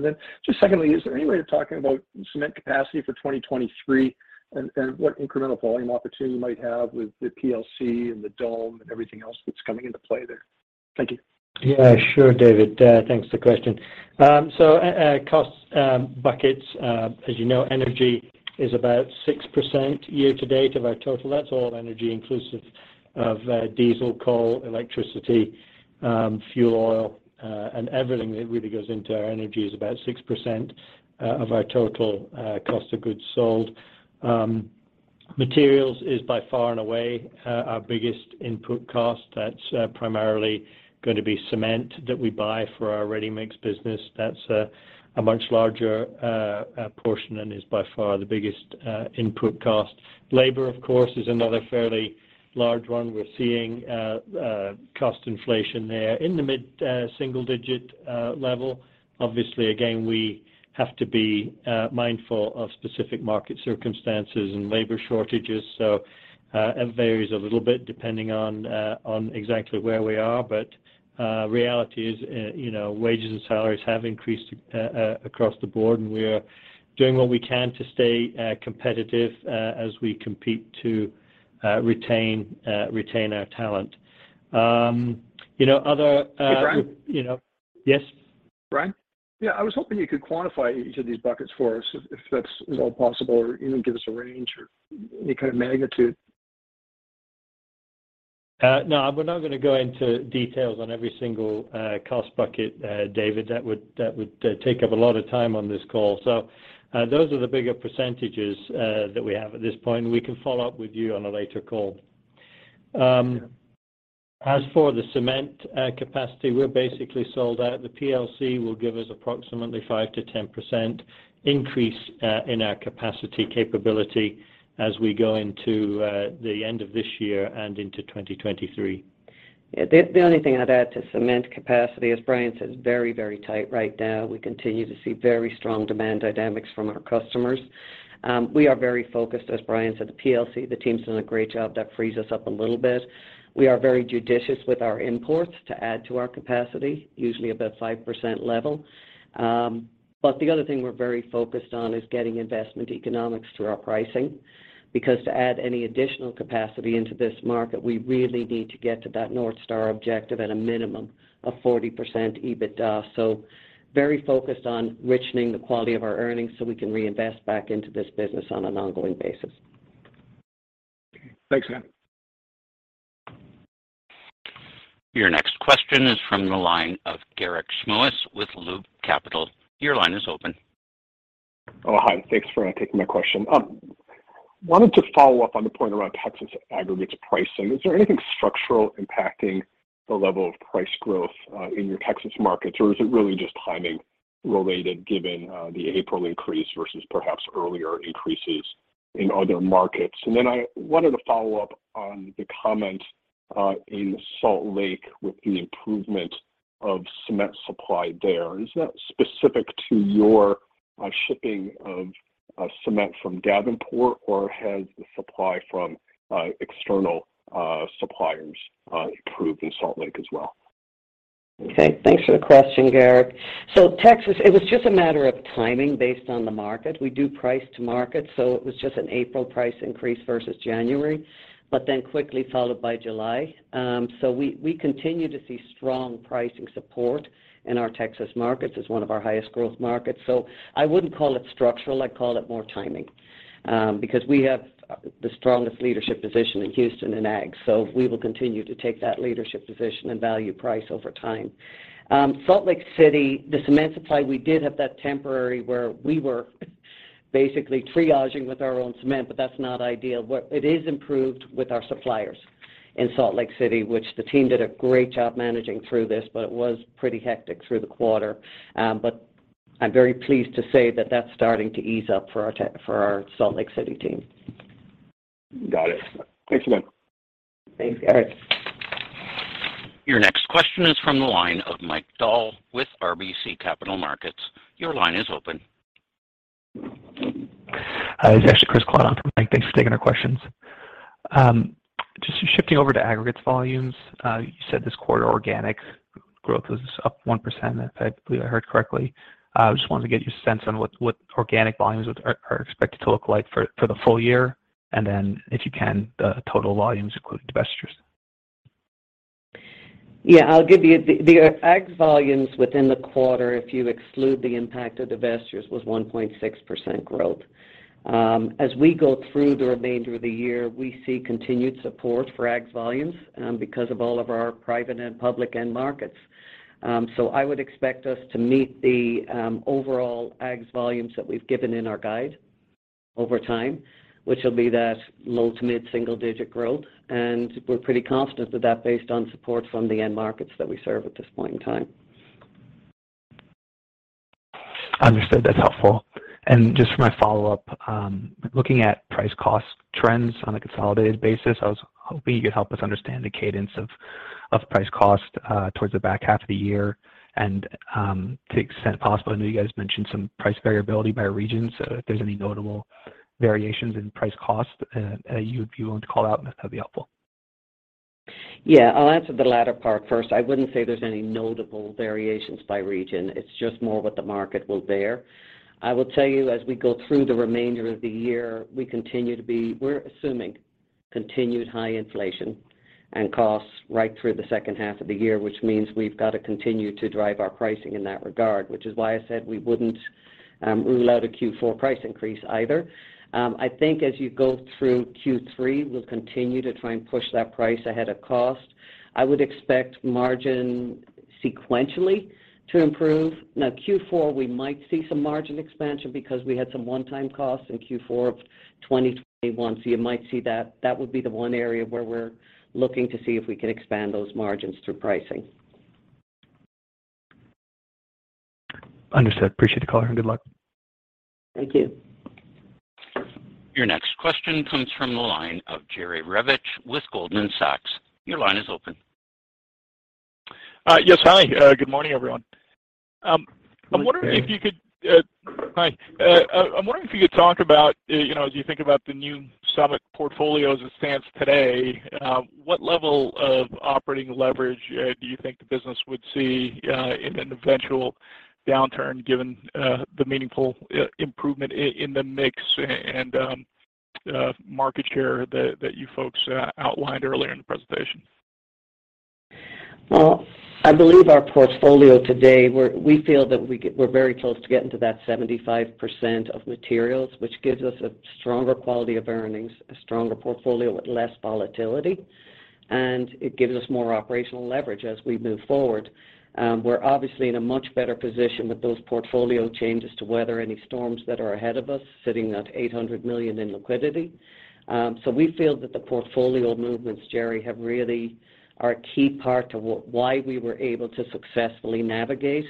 Just secondly, is there any way of talking about cement capacity for 2023 and what incremental volume opportunity you might have with the PLC and the dome and everything else that's coming into play there? Thank you. Yeah. Sure, David. Thanks for the question. So, cost buckets, as you know, energy is about 6% year-to-date of our total. That's all energy inclusive of diesel, coal, electricity, fuel oil, and everything that really goes into our energy is about 6% of our total cost of goods sold. Materials is by far and away our biggest input cost. That's primarily gonna be cement that we buy for our ready mix business. That's a much larger portion and is by far the biggest input cost. Labor, of course, is another fairly large one. We're seeing cost inflation there in the mid single digit level. Obviously, again, we have to be mindful of specific market circumstances and labor shortages. It varies a little bit depending on exactly where we are. Reality is, you know, wages and salaries have increased across the board, and we are doing what we can to stay competitive as we compete to retain our talent. You know, other- Hey, Brian? You know. Yes? Brian? Yeah, I was hoping you could quantify each of these buckets for us if that's at all possible or even give us a range or any kind of magnitude. No, we're not gonna go into details on every single cost bucket, David. That would take up a lot of time on this call. Those are the bigger percentages that we have at this point. We can follow up with you on a later call. Sure. As for the cement capacity, we're basically sold out. The PLC will give us approximately 5%-10% increase in our capacity capability as we go into the end of this year and into 2023. Yeah. The only thing I'd add to cement capacity, as Brian said, is very, very tight right now. We continue to see very strong demand dynamics from our customers. We are very focused, as Brian said, the PLC. The team's done a great job. That frees us up a little bit. We are very judicious with our imports to add to our capacity, usually about 5% level, but the other thing we're very focused on is getting investment economics through our pricing. Because to add any additional capacity into this market, we really need to get to that North Star objective at a minimum of 40% EBITDA. Very focused on richening the quality of our earnings so we can reinvest back into this business on an ongoing basis. Thanks. Your next question is from the line of Garik Shmois with Loop Capital Markets. Your line is open. Hi. Thanks for taking my question. Wanted to follow up on the point around Texas aggregates pricing. Is there anything structural impacting the level of price growth in your Texas markets, or is it really just timing related given the April increase versus perhaps earlier increases in other markets? I wanted to follow up on the comment in Salt Lake with the improvement of cement supply there. Is that specific to your shipping of cement from Davenport, or has the supply from external suppliers improved in Salt Lake as well? Okay. Thanks for the question, Garik. Texas, it was just a matter of timing based on the market. We do price to market, so it was just an April price increase versus January, but then quickly followed by July. We continue to see strong pricing support in our Texas markets. It's one of our highest growth markets. I wouldn't call it structural, I'd call it more timing, because we have the strongest leadership position in Houston and Aggs. We will continue to take that leadership position and value price over time. Salt Lake City, the cement supply, we did have that temporary where we were basically triaging with our own cement, but that's not ideal. It is improved with our suppliers in Salt Lake City, which the team did a great job managing through this, but it was pretty hectic through the quarter. I'm very pleased to say that that's starting to ease up for our Salt Lake City team. Got it. Thanks a lot. Thanks, Garik. Your next question is from the line of Mike Dahl with RBC Capital Markets. Your line is open. Hi. This is actually Chris Kalata on for Mike. Thanks for taking our questions. Just shifting over to aggregates volumes. You said this quarter organic growth was up 1%, if I believe I heard correctly. Just wanted to get your sense on what organic volumes are expected to look like for the full year, and then if you can, the total volumes including divestitures. Yeah. The agg volumes within the quarter, if you exclude the impact of divestitures, was 1.6% growth. As we go through the remainder of the year, we see continued support for agg volumes, because of all of our private and public end markets. I would expect us to meet the overall agg volumes that we've given in our guide over time, which will be that low- to mid-single-digit growth. We're pretty confident of that based on support from the end markets that we serve at this point in time. Understood. That's helpful. Just for my follow-up, looking at price cost trends on a consolidated basis, I was hoping you could help us understand the cadence of price cost towards the back half of the year. To the extent possible, I know you guys mentioned some price variability by region, so if there's any notable variations in price cost, you want to call out, that'd be helpful. Yeah, I'll answer the latter part first. I wouldn't say there's any notable variations by region. It's just more what the market will bear. I will tell you, as we go through the remainder of the year, we're assuming continued high inflation and costs right through the second half of the year, which means we've got to continue to drive our pricing in that regard, which is why I said we wouldn't rule out a Q4 price increase either. I think as you go through Q3, we'll continue to try and push that price ahead of cost. I would expect margin sequentially to improve. Now Q4, we might see some margin expansion because we had some one-time costs in Q4 of 2021. You might see that. That would be the one area where we're looking to see if we can expand those margins through pricing. Understood. Appreciate the color and good luck. Thank you. Your next question comes from the line of Jerry Revich with Goldman Sachs. Your line is open. Yes, hi. Good morning, everyone. I'm wondering if you could. Good day. Hi. I'm wondering if you could talk about, you know, as you think about the new Summit portfolio as it stands today, what level of operating leverage do you think the business would see in an eventual downturn, given the meaningful improvement in the mix and market share that you folks outlined earlier in the presentation? I believe our portfolio today, we feel that we're very close to getting to that 75% of materials, which gives us a stronger quality of earnings, a stronger portfolio with less volatility, and it gives us more operational leverage as we move forward. We're obviously in a much better position with those portfolio changes to weather any storms that are ahead of us, sitting at $800 million in liquidity. We feel that the portfolio movements, Jerry, have really been a key part to why we were able to successfully navigate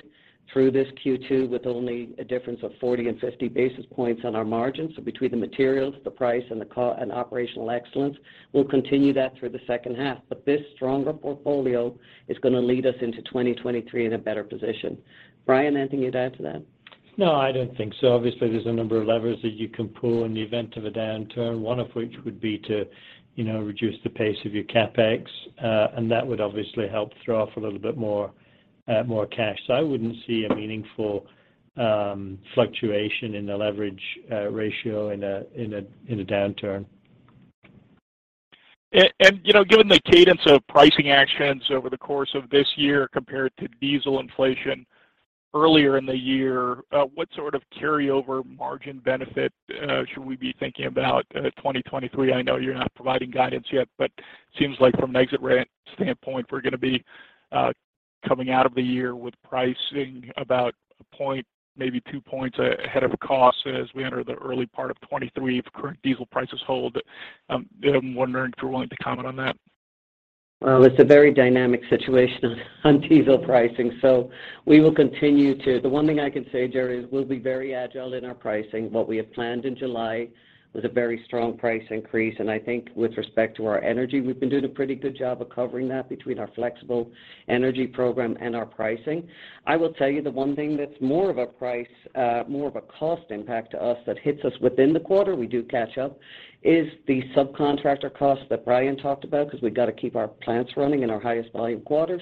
through this Q2 with only a difference of 40 and 50 basis points on our margin. Between the materials, the price, and operational excellence, we'll continue that through the second half. This stronger portfolio is gonna lead us into 2023 in a better position. Brian, anything you'd add to that? No, I don't think so. Obviously, there's a number of levers that you can pull in the event of a downturn, one of which would be to, you know, reduce the pace of your CapEx, and that would obviously help throw off a little bit more cash. I wouldn't see a meaningful fluctuation in the leverage ratio in a downturn. You know, given the cadence of pricing actions over the course of this year compared to diesel inflation earlier in the year, what sort of carryover margin benefit should we be thinking about 2023? I know you're not providing guidance yet, but seems like from an exit standpoint, we're gonna be coming out of the year with pricing about a point, maybe two points ahead of cost as we enter the early part of 2023 if current diesel prices hold. I'm wondering if you're willing to comment on that. Well, it's a very dynamic situation on diesel pricing, so we will continue to. The one thing I can say, Jerry, is we'll be very agile in our pricing. What we have planned in July was a very strong price increase. I think with respect to our energy, we've been doing a pretty good job of covering that between our flexible energy program and our pricing. I will tell you the one thing that's more of a price, more of a cost impact to us that hits us within the quarter, we do catch up, is the subcontractor cost that Brian talked about because we've got to keep our plants running in our highest volume quarters,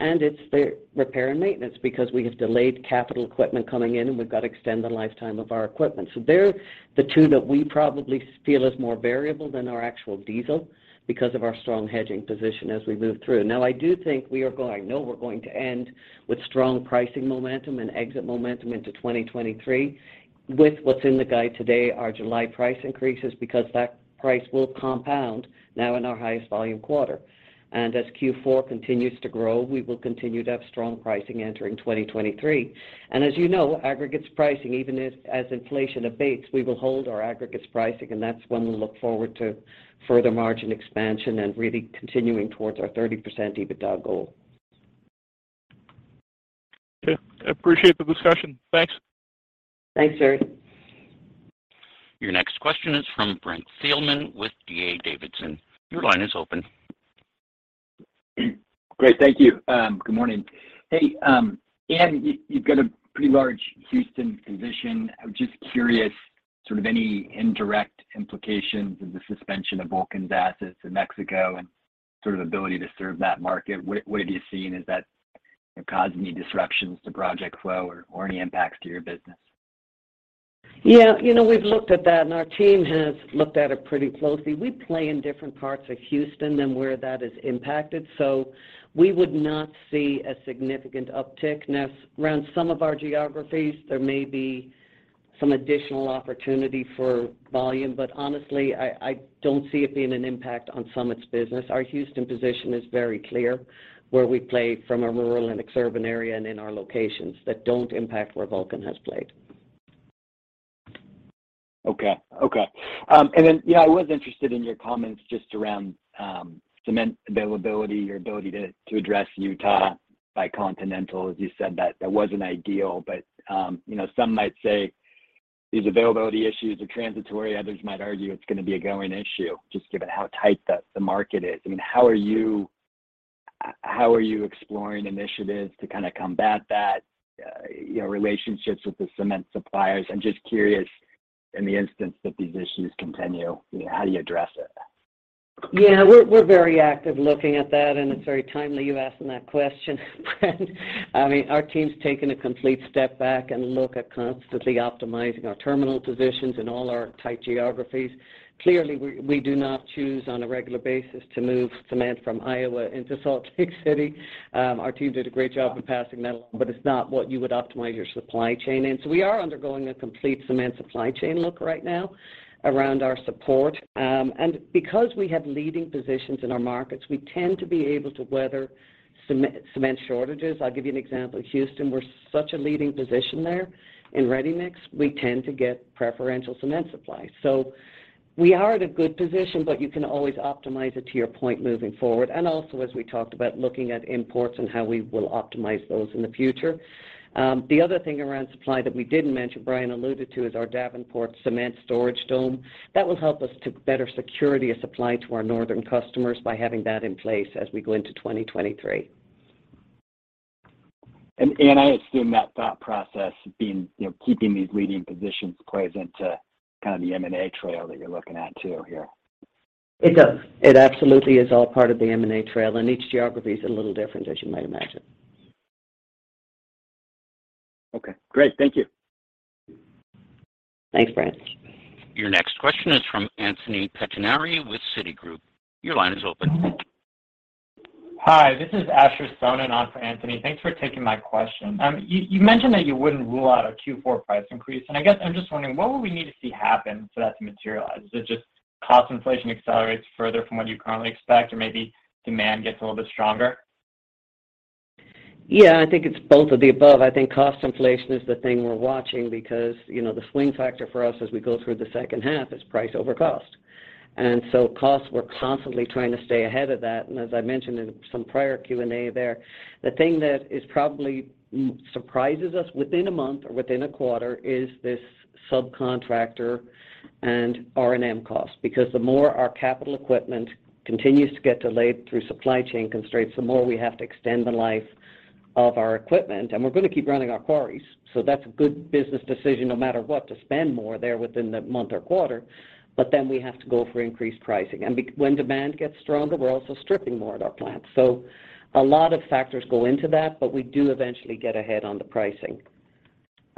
and it's the repair and maintenance because we have delayed capital equipment coming in, and we've got to extend the lifetime of our equipment. They're the two that we probably feel is more variable than our actual diesel because of our strong hedging position as we move through. Now, I do think I know we're going to end with strong pricing momentum and exit momentum into 2023. With what's in the guide today, our July price increases because that price will compound now in our highest volume quarter. As Q4 continues to grow, we will continue to have strong pricing entering 2023. As you know, aggregates pricing, even as inflation abates, we will hold our aggregates pricing, and that's when we look forward to further margin expansion and really continuing towards our 30% EBITDA goal. Okay. I appreciate the discussion. Thanks. Thanks, Jerry. Your next question is from Brent Thielman with D.A. Davidson. Your line is open. Great. Thank you. Good morning. Hey, Anne, you've got a pretty large Houston position. I'm just curious, sort of any indirect implications of the suspension of Vulcan's assets in Mexico and sort of ability to serve that market. What have you seen? Has that caused any disruptions to project flow or any impacts to your business? Yeah. You know, we've looked at that, and our team has looked at it pretty closely. We play in different parts of Houston than where that is impacted, so we would not see a significant uptick. Now, around some of our geographies, there may be some additional opportunity for volume, but honestly, I don't see it being an impact on Summit's business. Our Houston position is very clear, where we play from a rural and suburban area and in our locations that don't impact where Vulcan has played. I was interested in your comments just around cement availability, your ability to address Utah via Continental. As you said, that wasn't ideal, but you know, some might say these availability issues are transitory. Others might argue it's gonna be an ongoing issue just given how tight the market is. I mean, how are you exploring initiatives to kind of combat that, you know, relationships with the cement suppliers? I'm just curious in the instance that these issues continue, you know, how do you address it? Yeah. We're very active looking at that, and it's very timely you asking that question, Brent. I mean, our team's taken a complete step back and look at constantly optimizing our terminal positions in all our tight geographies. Clearly, we do not choose on a regular basis to move cement from Iowa into Salt Lake City. Our team did a great job of passing that along, but it's not what you would optimize your supply chain in. We are undergoing a complete cement supply chain look right now around our support, and because we have leading positions in our markets, we tend to be able to weather cement shortages. I'll give you an example. Houston, we're such a leading position there in ready-mix. We tend to get preferential cement supply. We are at a good position, but you can always optimize it to your point moving forward. Also, as we talked about, looking at imports and how we will optimize those in the future. The other thing around supply that we didn't mention, Brian alluded to, is our Davenport Cement Storage Dome. That will help us to better secure a supply to our northern customers by having that in place as we go into 2023. I assume that thought process being, you know, keeping these leading positions plays into kind of the M&A trail that you're looking at too here. It does. It absolutely is all part of the M&A trail, and each geography is a little different, as you might imagine. Okay, great. Thank you. Thanks, Brent. Your next question is from Anthony Pettinari with Citigroup. Your line is open. Hi. This is Asher Sohnen on for Anthony. Thanks for taking my question. You mentioned that you wouldn't rule out a Q4 price increase, and I guess I'm just wondering, what would we need to see happen for that to materialize? Is it just cost inflation accelerates further from what you currently expect or maybe demand gets a little bit stronger? Yeah. I think it's both of the above. I think cost inflation is the thing we're watching because, you know, the swing factor for us as we go through the second half is price over cost. Costs, we're constantly trying to stay ahead of that. As I mentioned in some prior Q&A there, the thing that is probably surprises us within a month or within a quarter is this subcontractor and R&M cost. Because the more our capital equipment continues to get delayed through supply chain constraints, the more we have to extend the life of our equipment. We're gonna keep running our quarries, so that's a good business decision no matter what, to spend more there within the month or quarter. We have to go for increased pricing. When demand gets stronger, we're also stripping more at our plants. A lot of factors go into that, but we do eventually get ahead on the pricing.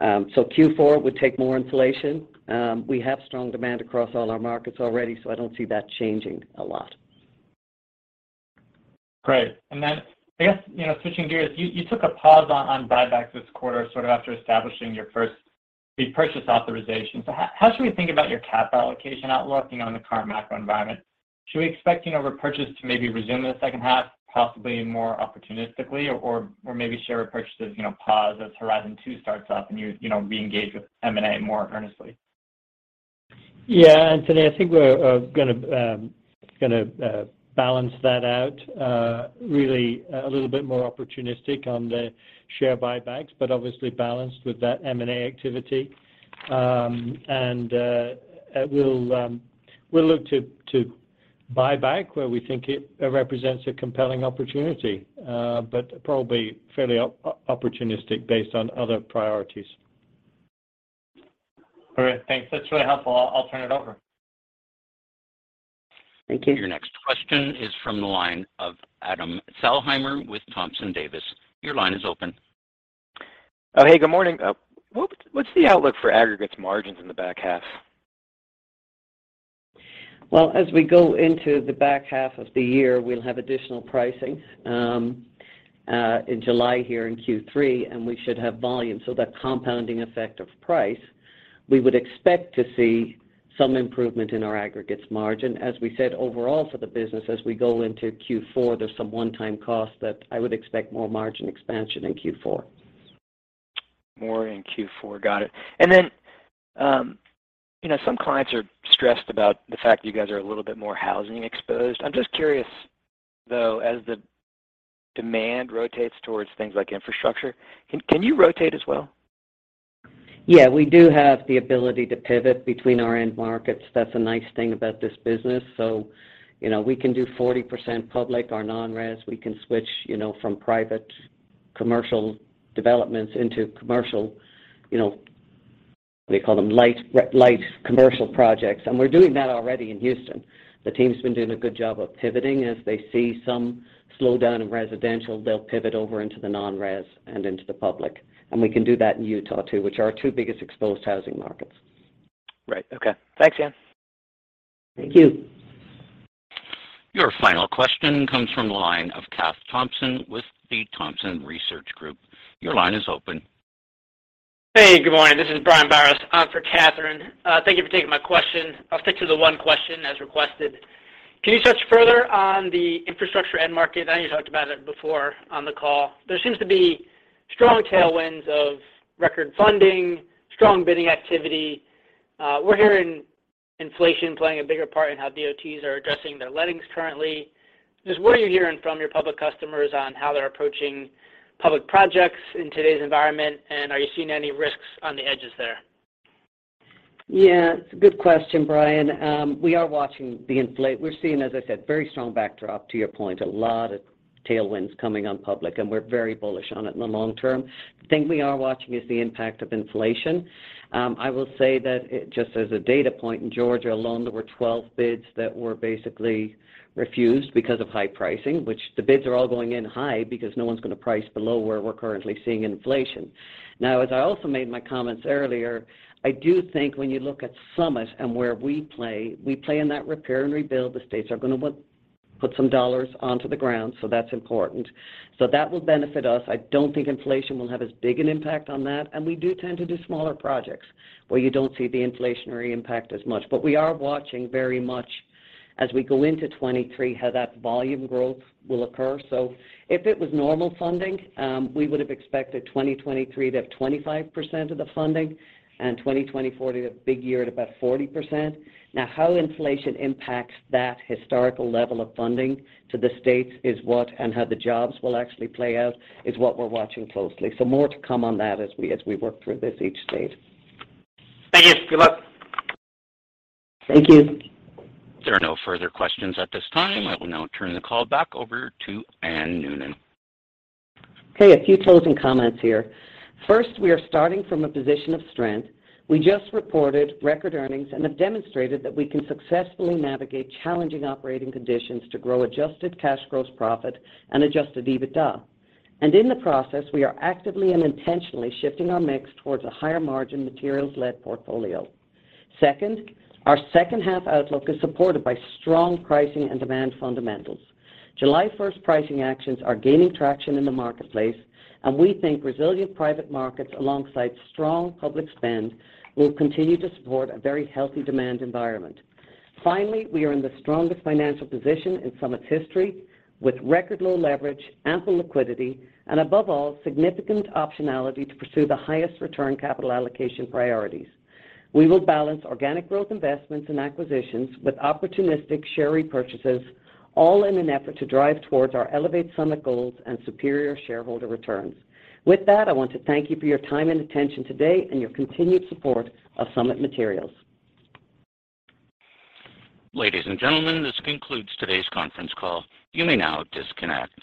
Q4 would take more inflation. We have strong demand across all our markets already, so I don't see that changing a lot. Great. I guess, you know, switching gears, you took a pause on buybacks this quarter, sort of after establishing your first big purchase authorization. How should we think about your capital allocation outlook on the current macro environment? Should we expect, you know, repurchase to maybe resume in the second half, possibly more opportunistically or maybe share repurchases, you know, pause as Horizon Two starts up and you know, reengage with M&A more earnestly? Yeah, Anthony. I think we're gonna balance that out really a little bit more opportunistic on the share buybacks, but obviously balanced with that M&A activity. We'll look to buy back where we think it represents a compelling opportunity, but probably fairly opportunistic based on other priorities. All right. Thanks. That's really helpful. I'll turn it over. Thank you. Your next question is from the line of Adam Thalhimer with Thompson Davis. Your line is open. Oh, hey, good morning. What's the outlook for aggregates margins in the back half? Well, as we go into the back half of the year, we'll have additional pricing in July here in Q3, and we should have volume, so that compounding effect of price. We would expect to see some improvement in our aggregates margin. As we said, overall for the business as we go into Q4, there's some one-time costs that I would expect more margin expansion in Q4. More in Q4. Got it. You know, some clients are stressed about the fact that you guys are a little bit more housing exposed. I'm just curious, though, as the demand rotates towards things like infrastructure, can you rotate as well? Yeah, we do have the ability to pivot between our end markets. That's a nice thing about this business. You know, we can do 40% public or non-res. We can switch, you know, from private commercial developments into commercial, you know, they call them light commercial projects, and we're doing that already in Houston. The team's been doing a good job of pivoting. As they see some slowdown in residential, they'll pivot over into the non-res and into the public. We can do that in Utah too, which are our two biggest exposed housing markets. Right. Okay. Thanks, Anne. Thank you. Your final question comes from the line of Kathryn Thompson with the Thompson Research Group. Your line is open. Hey, good morning. This is Brian Biros on for Kathryn. Thank you for taking my question. I'll stick to the one question as requested. Can you touch further on the infrastructure end market? I know you talked about it before on the call. There seems to be strong tailwinds of record funding, strong bidding activity. We're hearing inflation playing a bigger part in how DOTs are addressing their lettings currently. Just what are you hearing from your public customers on how they're approaching public projects in today's environment, and are you seeing any risks on the edges there? Yeah, it's a good question, Brian. We're seeing, as I said, very strong backdrop to your point, a lot of tailwinds coming on public, and we're very bullish on it in the long term. The thing we are watching is the impact of inflation. I will say that just as a data point, in Georgia alone, there were 12 bids that were basically refused because of high pricing, which the bids are all going in high because no one's gonna price below where we're currently seeing inflation. Now, as I also made my comments earlier, I do think when you look at Summit and where we play, we play in that repair and rebuild. The states are gonna put some dollars onto the ground, so that's important. That will benefit us. I don't think inflation will have as big an impact on that, and we do tend to do smaller projects where you don't see the inflationary impact as much. We are watching very much as we go into 2023 how that volume growth will occur. If it was normal funding, we would have expected 2023 to have 25% of the funding and 2024 to have big year at about 40%. Now, how inflation impacts that historical level of funding to the states is what and how the jobs will actually play out is what we're watching closely. More to come on that as we work through this in each state. Thank you. Good luck. Thank you. There are no further questions at this time. I will now turn the call back over to Anne Noonan. Okay, a few closing comments here. First, we are starting from a position of strength. We just reported record earnings and have demonstrated that we can successfully navigate challenging operating conditions to grow adjusted cash gross profit and adjusted EBITDA. In the process, we are actively and intentionally shifting our mix towards a higher margin materials-led portfolio. Second, our second half outlook is supported by strong pricing and demand fundamentals. July first pricing actions are gaining traction in the marketplace, and we think resilient private markets alongside strong public spend will continue to support a very healthy demand environment. Finally, we are in the strongest financial position in Summit's history with record low leverage, ample liquidity and above all, significant optionality to pursue the highest return capital allocation priorities. We will balance organic growth investments and acquisitions with opportunistic share repurchases, all in an effort to drive towards our Elevate Summit goals and superior shareholder returns. With that, I want to thank you for your time and attention today and your continued support of Summit Materials. Ladies and gentlemen, this concludes today's conference call. You may now disconnect.